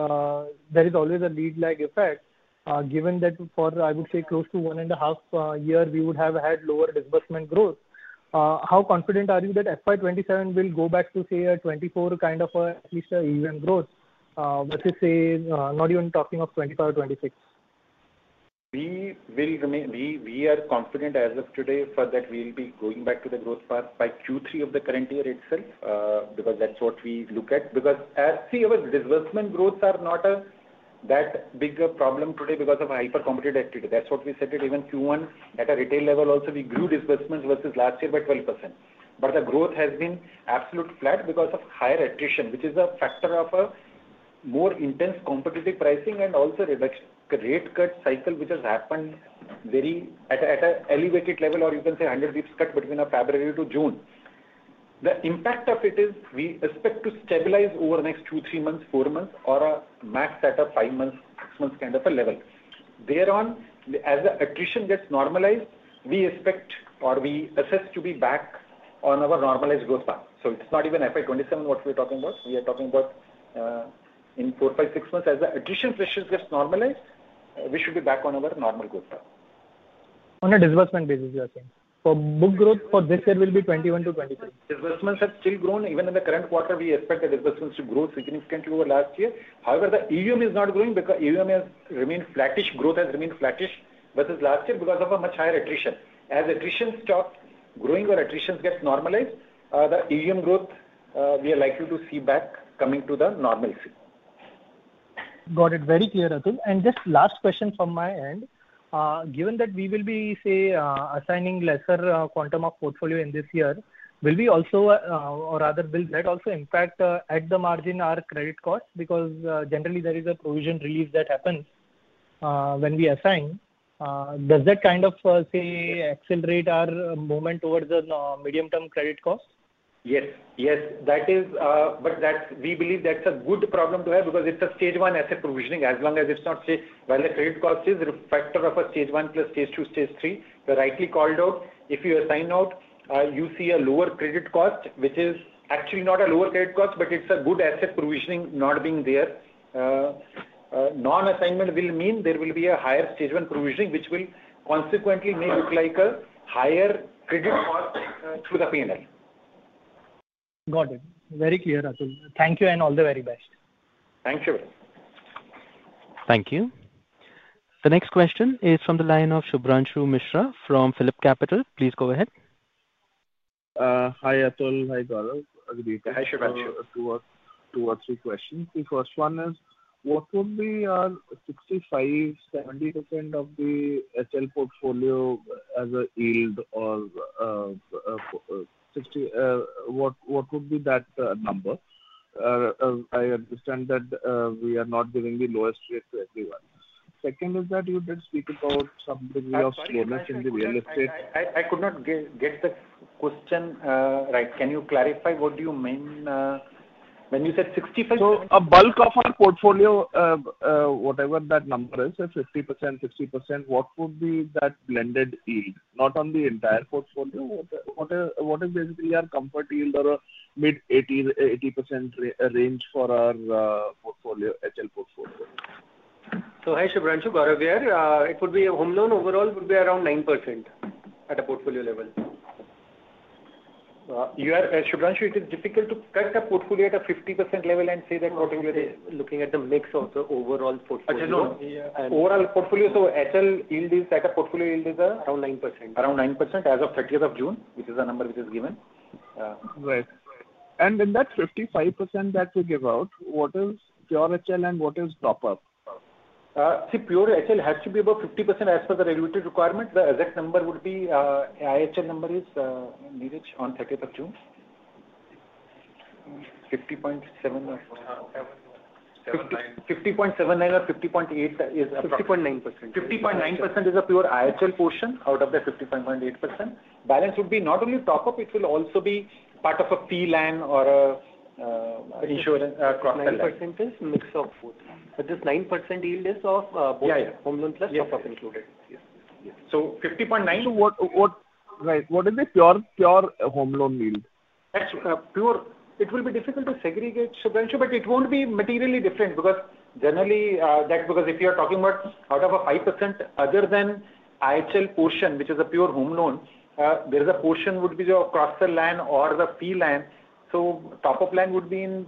J: there is always a lead-lag effect, given that for, I would say, close to one and a half years, we would have had lower disbursement growth. How confident are you that FY 2027 will go back to, say, a 2024 kind of at least an even growth versus, say, not even talking of 2025 or 2026?
C: We are confident as of today that we will be going back to the growth path by Q3 of the current year itself because that's what we look at. As you see, our disbursement growths are not that big a problem today because of hyper-competitive activity. That's what we said at even Q1 at a retail level also, we grew disbursements versus last year by 12%. The growth has been absolutely flat because of higher attrition, which is a factor of more intense competitive pricing and also the rate cut cycle which has happened at a very elevated level, or you can say 100 basis points cut between February to June. The impact of it is we expect to stabilize over the next two, three, four months, or at a max at five-six months kind of a level. Thereon, as the attrition gets normalized, we expect or we assess to be back on our normalized growth path. It's not even FY2027 what we are talking about. We are talking about in four, five, six months. As the attrition pressures get normalized, we should be back on our normal growth path.
J: On a disbursement basis, you are saying. For book growth for this year, it will be 21-23%?
C: Disbursements have still grown. Even in the current quarter, we expect the disbursements to grow significantly over last year. However, the AUM is not growing because AUM has remained flattish. Growth has remained flattish versus last year because of a much higher attrition. As attrition stops growing or attrition gets normalized, the AUM growth, we are likely to see back coming to the normalcy.
J: Got it. Very clear, Atul. Just last question from my end. Given that we will be, say, assigning lesser quantum of portfolio in this year, will we also, or rather, will that also impact at the margin our credit costs? Because generally, there is a provision relief that happens when we assign. Does that kind of, say, accelerate our movement towards the medium-term credit costs?
C: Yes. Yes. We believe that's a good problem to have because it's a stage one asset provisioning. As long as it's not, say, while the credit cost is a factor of a stage one plus stage two, stage three, you rightly called out. If you assign out, you see a lower credit cost, which is actually not a lower credit cost, but it's a good asset provisioning not being there. Non-assignment will mean there will be a higher stage one provisioning, which consequently may look like a higher credit cost through the P&L.
J: Got it. Very clear, Atul. Thank you and all the very best.
C: Thank you.
A: Thank you. The next question is from the line of Shubhranshu Mishra from PhillipCapital. Please go ahead.
K: Hi, Atul. Hi, Gaurav. Agreed.
F: Hi Shubhranshu.
K: Two or three questions. The first one is, what would be 65-70% of the HL portfolio as a yield or what would be that number? I understand that we are not giving the lowest rate to everyone. Second is that you did speak about some degree of slowness in the real estate.
C: I could not get the question right. Can you clarify what you mean when you said 65%?
K: A bulk of our portfolio, whatever that number is, 50%, 60%, what would be that blended yield? Not on the entire portfolio. What is basically our comfort yield or a mid 80% range for our portfolio, HL portfolio?
F: Hi Shubhranshu. Gaurav, it would be a home loan overall would be around 9% at a portfolio level.
C: Shubhranshu, it is difficult to cut a portfolio at a 50% level and say that whatever it is looking at the mix of the overall portfolio.
K: No, no.
F: Overall portfolio, so HL yield is at a portfolio yield is around 9%.
C: Around 9% as of 30th of June, which is the number which is given.
K: Right. In that 55% that you give out, what is pure HL and what is proper?
C: See, pure HL has to be above 50% as per the regulated requirement. The exact number would be IHL number as nearest on 30th of June. 50.7 or 50.79 or 50.8 is a percent.
F: 50.9%.
C: 50.9% is a pure IHL portion out of the 55.8%. Balance would be not only top-up, it will also be part of a fee LAN or an insurance cross-seller.
F: 9% is mix of both. This 9% yield is of both home loan plus top-up included.
C: So 50.9.
K: Right. What is the pure home loan yield?
C: It will be difficult to segregate, Shubhranshu, but it won't be materially different because generally, that's because if you are talking about out of a 5%, other than IHL portion, which is a pure home loan, there is a portion would be your cross-sell line or the fee LAN. Top-up line would be in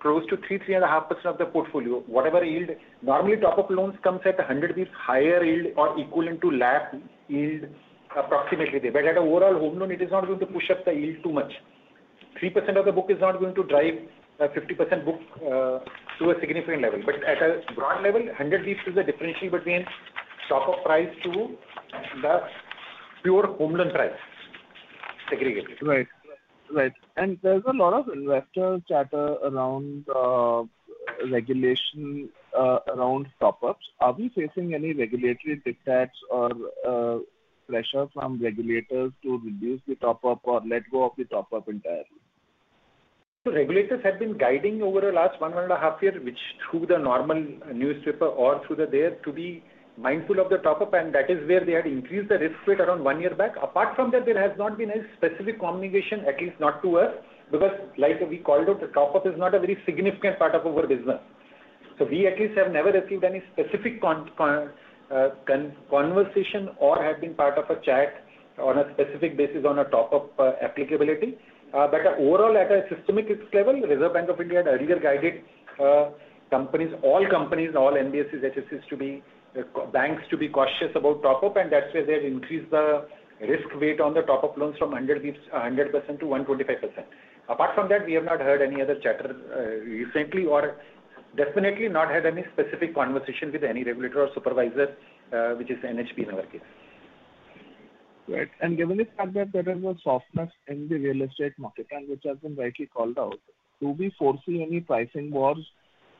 C: close to 3-3.5% of the portfolio. Whatever yield, normally top-up loans comes at 100 basis points higher yield or equal into LAP yield approximately. At an overall home loan, it is not going to push up the yield too much. 3% of the book is not going to drive a 50% book to a significant level. At a broad level, 100 basis points is the differential between top-up price to the pure home loan price. Segregated.
K: Right. Right. There is a lot of investor chatter around regulation around top-ups. Are we facing any regulatory dictates or pressure from regulators to reduce the top-up or let go of the top-up entirely?
C: Regulators have been guiding over the last one and a half years, which through the normal newspaper or through there to be mindful of the top-up. That is where they had increased the risk rate around one year back. Apart from that, there has not been any specific communication, at least not to us, because like we called out, the top-up is not a very significant part of our business. We at least have never received any specific conversation or have been part of a chat on a specific basis on a top-up applicability. Overall, at a systemic level, Reserve Bank of India had earlier guided companies, all companies, all NBFCs, HFCs, to be banks to be cautious about top-up. That is where they have increased the risk weight on the top-up loans from 100% basis points to 125%. Apart from that, we have not heard any other chatter recently or definitely not had any specific conversation with any regulator or supervisor, which is NHB in our case.
K: Right. Given the fact that there is a softness in the real estate market, which has been rightly called out, do we foresee any pricing wars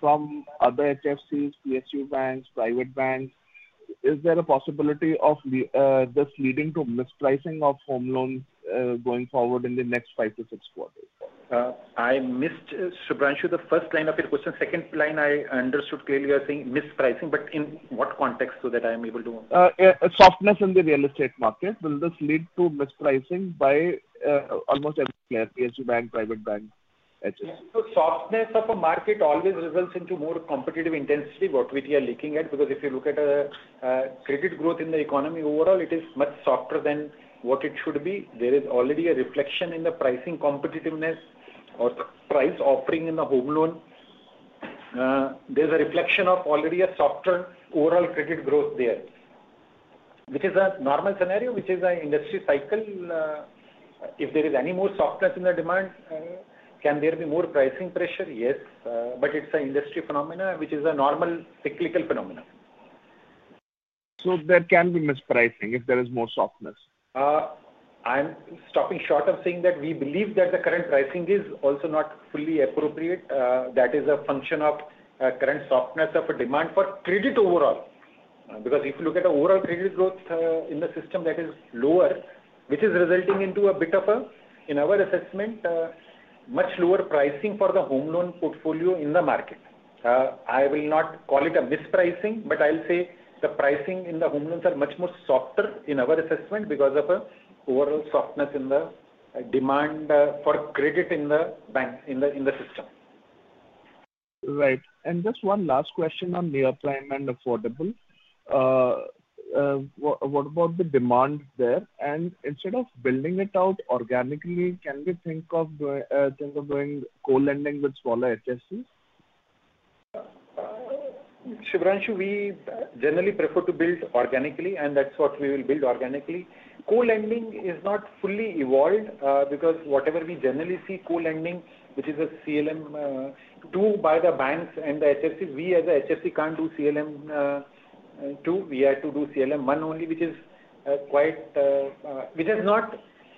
K: from other HFCs, PSU banks, private banks? Is there a possibility of this leading to mispricing of home loans going forward in the next five to six quarters?
C: I missed, Shubhranshu, the first line of your question. Second line, I understood clearly you are saying mispricing, but in what context so that I am able to understand?
K: Softness in the real estate market. Will this lead to mispricing by almost every player, PSU bank, private bank, HFC?
C: Softness of a market always results into more competitive intensity, what which we are looking at. Because if you look at the credit growth in the economy overall, it is much softer than what it should be. There is already a reflection in the pricing competitiveness or price offering in the home loan. There is a reflection of already a softer overall credit growth there. Which is a normal scenario, which is an industry cycle. If there is any more softness in the demand, can there be more pricing pressure? Yes. It is an industry phenomenon, which is a normal cyclical phenomenon.
K: There can be mispricing if there is more softness?
C: I'm stopping short of saying that we believe that the current pricing is also not fully appropriate. That is a function of current softness of a demand for credit overall. Because if you look at the overall credit growth in the system, that is lower, which is resulting into a bit of a, in our assessment, much lower pricing for the home loan portfolio in the market. I will not call it a mispricing, but I'll say the pricing in the home loans are much more softer in our assessment because of a overall softness in the demand for credit in the bank, in the system.
K: Right. Just one last question on near prime and affordable. What about the demand there? Instead of building it out organically, can we think of going co-lending with smaller HFCs?
C: Shubhranshu, we generally prefer to build organically, and that's what we will build organically. Co-lending is not fully evolved because whatever we generally see, co-lending, which is a CLM, two, by the banks and the HFCs, we as a HFC can't do CLM. Two, we have to do CLM One only, which is quite, which has not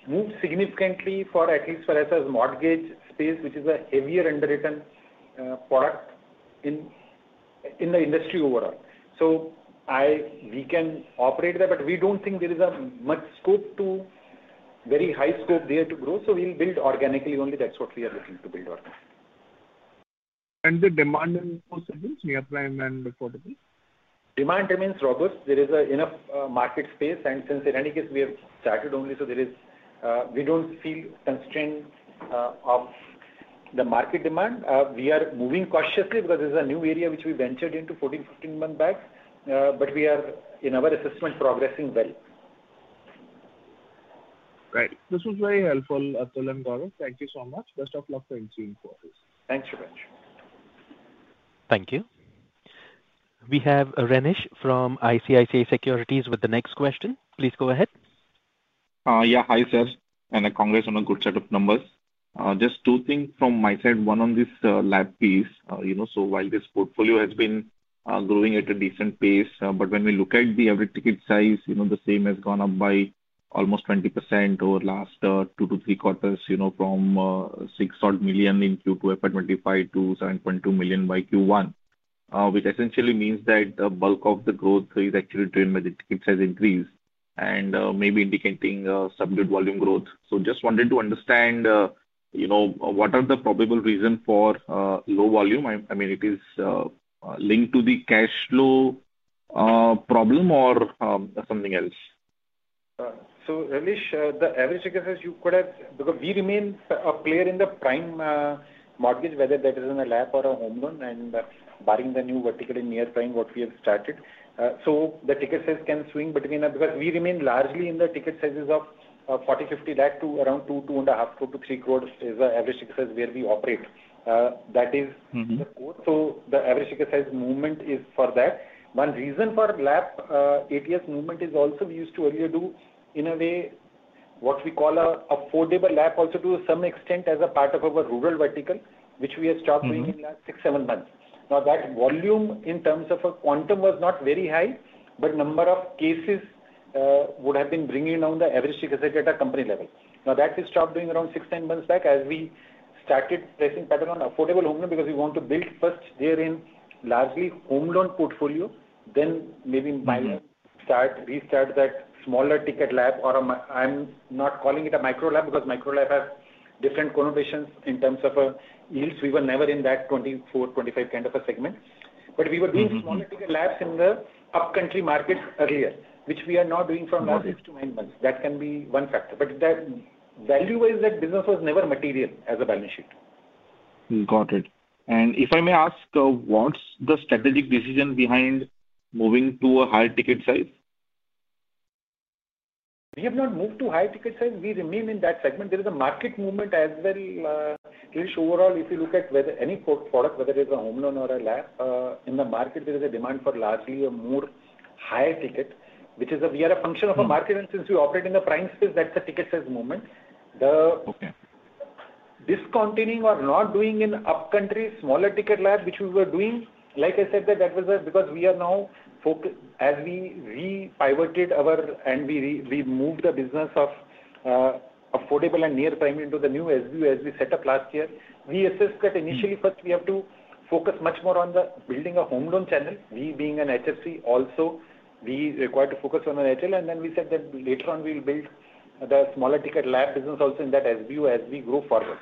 C: moved significantly at least for us as mortgage space, which is a heavier underwritten product in the industry overall. We can operate there, but we don't think there is much scope to, very high scope there to grow. We will build organically only. That's what we are looking to build organically.
K: The demand in those areas, near prime and affordable?
C: Demand remains robust. There is enough market space. Since in any case, we have started only, we do not feel constraint of the market demand. We are moving cautiously because there is a new area which we ventured into 14-15 months back. We are, in our assessment, progressing well.
K: Right. This was very helpful, Atul and Gaurav. Thank you so much. Best of luck for the coming quarters.
C: Thanks, Shubhranshu.
A: Thank you. We have Renish from ICICI Securities with the next question. Please go ahead.
L: Yeah, hi, sir. And I congrats on a good set of numbers. Just two things from my side. One on this LAP piece. While this portfolio has been growing at a decent pace, when we look at the average ticket size, the same has gone up by almost 20% over the last two to three quarters from 6 million in Q2 FY2025 to 7.2 million by Q1. Which essentially means that the bulk of the growth is actually driven by the ticket size increase and maybe indicating subdued volume growth. I just wanted to understand, what are the probable reasons for low volume? I mean, is it linked to the cash flow problem or something else?
C: Renish, the average ticket size, you could have because we remain a player in the prime mortgage, whether that is in a LAP or a home loan. Barring the new vertical in near prime, what we have started. The ticket size can swing between because we remain largely in the ticket sizes of 40 to 50 Lakh to around 2 to 2.5 to 3 crores is the average ticket size where we operate. That is the core. The average ticket size movement is for that. One reason for LAP ATS movement is also we used to earlier do in a way what we call affordable LAP also to some extent as a part of our rural vertical, which we have stopped doing in the last six-seven months. That volume in terms of a quantum was not very high, but number of cases would have been bringing down the average ticket size at a company level. Now that we stopped doing around six-seven months back as we started pressing pattern on affordable home loan because we want to build first there in largely home loan portfolio, then maybe start, restart that smaller ticket LAP or I'm not calling it a micro LAP because micro LAP has different connotations in terms of yields. We were never in that 24%, 25% kind of a segment. We were doing smaller ticket LAPs in the upcountry market earlier, which we are now doing from last six to nine months. That can be one factor. Value-wise, that business was never material as a balance sheet.
L: Got it. If I may ask, what's the strategic decision behind moving to a higher ticket size?
C: We have not moved to higher ticket size. We remain in that segment. There is a market movement as well. Overall, if you look at any product, whether it's a home loan or a LAP, in the market, there is a demand for largely a more higher ticket, which is a we are a function of a market. Since we operate in the prime space, that's the ticket size movement.
L: Okay.
C: Discontinuing or not doing in upcountry smaller ticket LAP, which we were doing, like I said, that was because we are now. As we pivoted our and we moved the business of affordable and near prime into the new SBU as we set up last year, we assessed that initially first we have to focus much more on the building a home loan channel. We being an HFC, also we required to focus on an HL. And then we said that later on we will build the smaller ticket LAP business also in that SBU as we grow forward.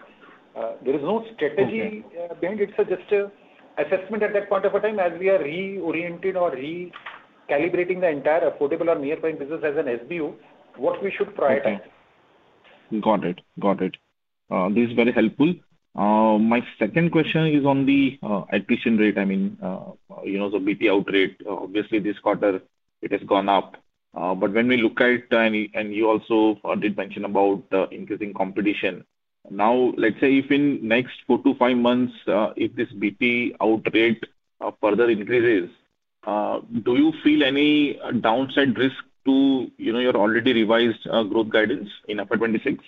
C: There is no strategy behind it. It's just an assessment at that point of a time as we are reorienting or recalibrating the entire affordable or near prime business as an SBU, what we should prioritize.
L: Got it. Got it. This is very helpful. My second question is on the acquisition rate. I mean, the BT out rate. Obviously, this quarter, it has gone up. When we look at and you also did mention about increasing competition. Now, let's say if in the next four to five months, if this BT out rate further increases, do you feel any downside risk to your already revised growth guidance in FY 2026?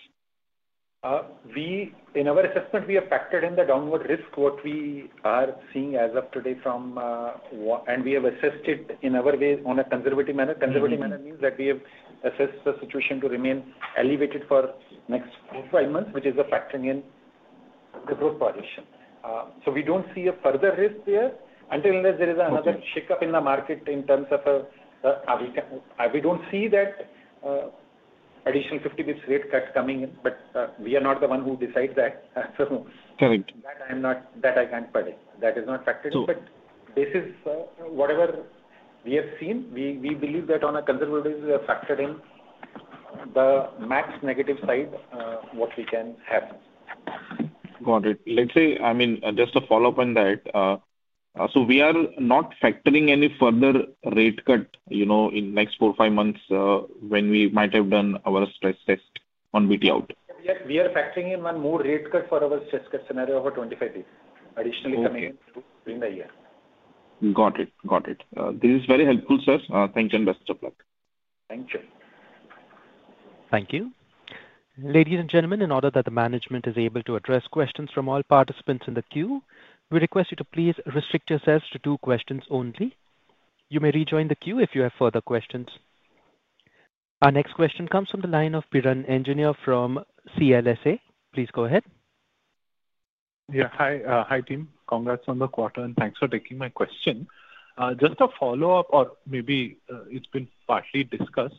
C: In our assessment, we have factored in the downward risk, what we are seeing as of today from. We have assessed it in our way on a conservative manner. Conservative manner means that we have assessed the situation to remain elevated for the next four to five months, which is a factor in the growth position. We do not see a further risk there until there is another shake-up in the market in terms of a, we do not see that additional 50 basis points rate cut coming in, but we are not the one who decides that.
L: Correct.
C: That I can't predict. That is not factored. This is whatever we have seen. We believe that on a conservative basis, we have factored in the max negative side, what we can have.
L: Got it. Let's say, I mean, just a follow-up on that. We are not factoring any further rate cut in the next four to five months when we might have done our stress test on BT out.
C: We are factoring in one more rate cut for our stress test scenario over 25 days, additionally coming in during the year.
L: Got it. Got it. This is very helpful, sir. Thank you and best of luck.
C: Thank you.
A: Thank you. Ladies and gentlemen, in order that the management is able to address questions from all participants in the queue, we request you to please restrict yourselves to two questions only. You may rejoin the queue if you have further questions. Our next question comes from the line of Piran Engineer from CLSA. Please go ahead.
M: Yeah. Hi, team. Congrats on the quarter and thanks for taking my question. Just a follow-up, or maybe it's been partly discussed.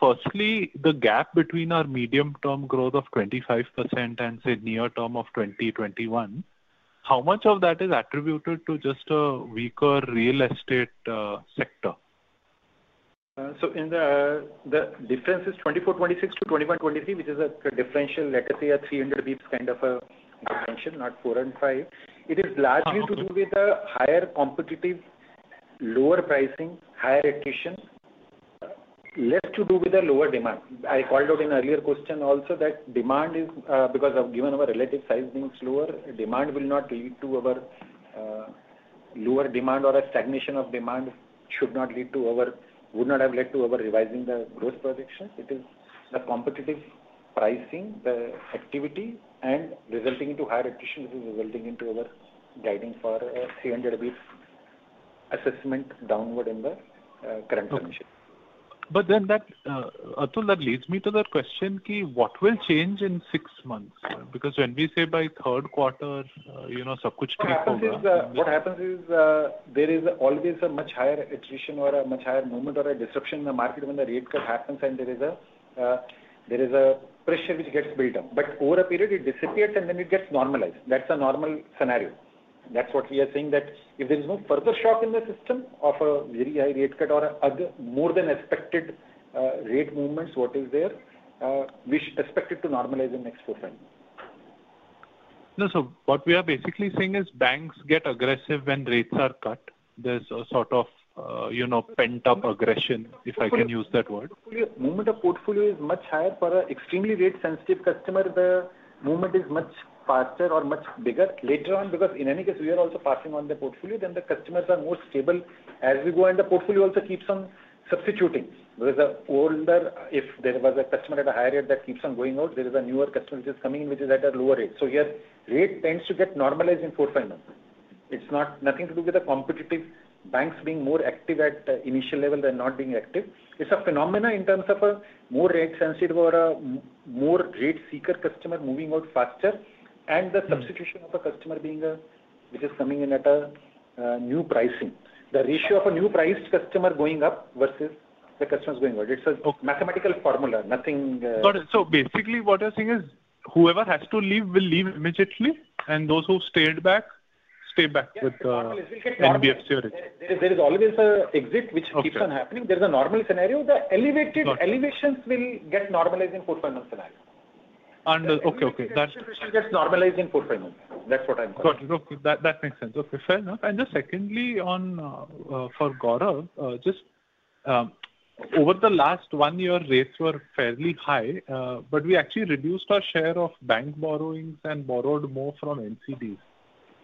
M: Firstly, the gap between our medium-term growth of 25% and, say, near term of 20-21%, how much of that is attributed to just a weaker real estate sector?
C: In the difference is 24-26 to 21-23, which is a differential, let us say, a 300 basis points kind of a differential, not 4 and 5. It is largely to do with the higher competitive, lower pricing, higher acquisition. Less to do with the lower demand. I called out in an earlier question also that demand is, because of given our relative size being slower, demand will not lead to our. Lower demand or a stagnation of demand should not lead to our, would not have led to our revising the growth projections. It is the competitive pricing, the activity, and resulting into higher acquisition, which is resulting into our guiding for 300 basis points assessment downward in the current condition.
M: But then that, Atul, that leads me to the question, what will change in six months? Because when we say by third quarter, you know.
C: What happens is there is always a much higher acquisition or a much higher movement or a disruption in the market when the rate cut happens, and there is a pressure which gets built up. Over a period, it disappears and then it gets normalized. That is a normal scenario. That is what we are saying, that if there is no further shock in the system of a very high rate cut or more than expected rate movements, what is there, which is expected to normalize in the next four to five months.
M: No, so what we are basically saying is banks get aggressive when rates are cut. There is a sort of pent-up aggression, if I can use that word.
C: Movement of portfolio is much higher for an extremely rate-sensitive customer. The movement is much faster or much bigger later on, because in any case, we are also passing on the portfolio, then the customers are more stable as we go, and the portfolio also keeps on substituting. There is an older, if there was a customer at a higher rate that keeps on going out, there is a newer customer which is coming in, which is at a lower rate. Yet rate tends to get normalized in four to five months. It's nothing to do with the competitive banks being more active at the initial level than not being active. It's a phenomenon in terms of a more rate-sensitive or a more rate-seeker customer moving out faster, and the substitution of a customer being a which is coming in at a new pricing. The ratio of a new priced customer going up versus the customers going out. It's a mathematical formula. Nothing.
M: Basically, what you're saying is whoever has to leave will leave immediately, and those who stayed back, stay back with the BFHC or HFC.
C: There is always an exit which keeps on happening. There's a normal scenario. The elevations will get normalized in four to five months scenario.
M: Understood. Okay, okay.
C: The substitution gets normalized in four to five months. That's what I'm saying.
M: Got it. That makes sense. Okay, fair enough. Just secondly, for Gaurav, just over the last one year, rates were fairly high, but we actually reduced our share of bank borrowings and borrowed more from NCDs.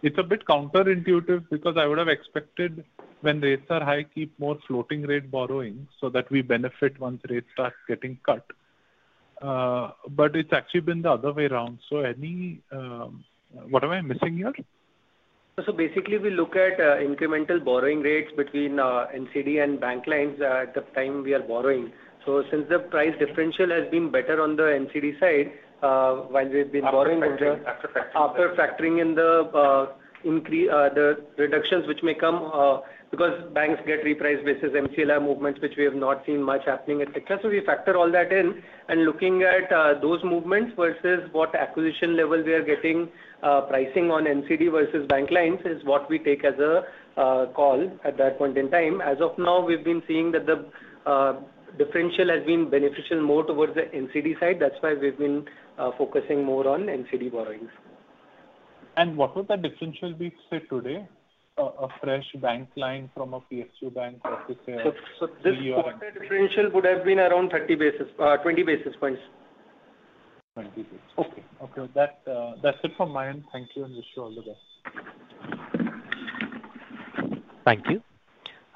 M: It's a bit counterintuitive because I would have expected when rates are high, keep more floating rate borrowing so that we benefit once rates start getting cut. It's actually been the other way around. What am I missing here?
F: Basically, we look at incremental borrowing rates between NCD and bank lines at the time we are borrowing. Since the price differential has been better on the NCD side, while we've been borrowing after factoring in the reductions which may come because banks get repriced basis MCLR movements, which we have not seen much happening at that time. We factor all that in and looking at those movements versus what acquisition level we are getting pricing on NCD versus bank lines is what we take as a call at that point in time. As of now, we've been seeing that the differential has been beneficial more towards the NCD side. That's why we've been focusing more on NCD borrowings.
M: What would that differential be set today? A fresh bank line from a PSU bank, what would you say?
F: This quarter differential would have been around 20 basis points.
M: 20 basis points. Okay. Okay. That's it from my end. Thank you and wish you all the best.
A: Thank you.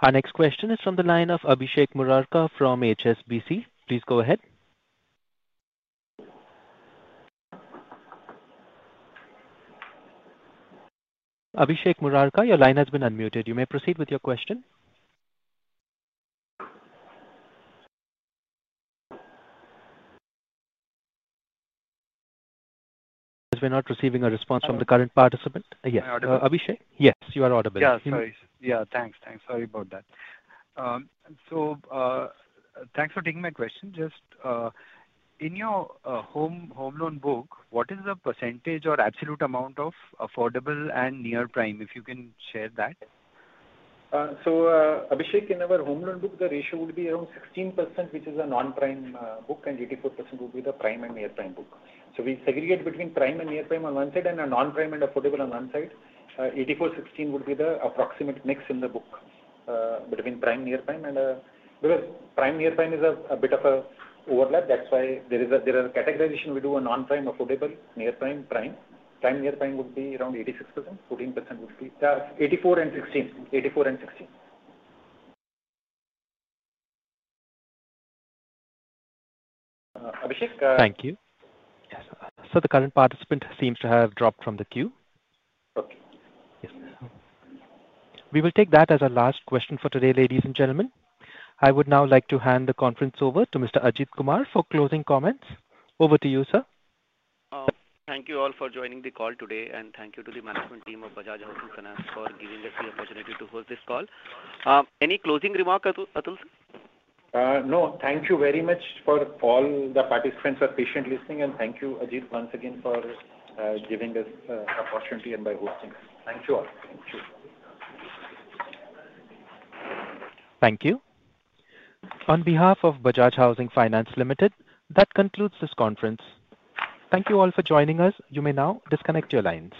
A: Our next question is from the line of Abhishek Murarka from HSBC. Please go ahead. Abhishek Murarka, your line has been unmuted. You may proceed with your question. We're not receiving a response from the current participant. Yes. Abhishek? Yes, you are audible.
N: Yeah. Sorry. Yeah, thanks. Thanks. Sorry about that. Thanks for taking my question. Just, in your home loan book, what is the percentage or absolute amount of affordable and near prime? If you can share that.
C: Abhishek, in our home loan book, the ratio would be around 16%, which is a non-prime book, and 84% would be the prime and near prime book. We segregate between prime and near prime on one side and non-prime and affordable on one side. 84, 16 would be the approximate mix in the book between prime, near prime. Because prime, near prime is a bit of an overlap, that's why there is a categorization. We do a non-prime, affordable, near prime, prime. Prime, near prime would be around 86%. 14% would be 84 and 16. 84 and 16. Abhishek?
A: Thank you. The current participant seems to have dropped from the queue. We will take that as our last question for today, ladies and gentlemen. I would now like to hand the conference over to Mr. Ajit Kumar for closing comments. Over to you, sir.
O: Thank you all for joining the call today, and thank you to the management team of Bajaj Housing Finance for giving us the opportunity to host this call. Any closing remarks, Atul?
F: No. Thank you very much for all the participants for patient listening, and thank you, Ajit, once again for giving us the opportunity and for hosting. Thank you all. Thank you.
A: Thank you. On behalf of Bajaj Housing Finance Limited, that concludes this conference. Thank you all for joining us. You may now disconnect your lines.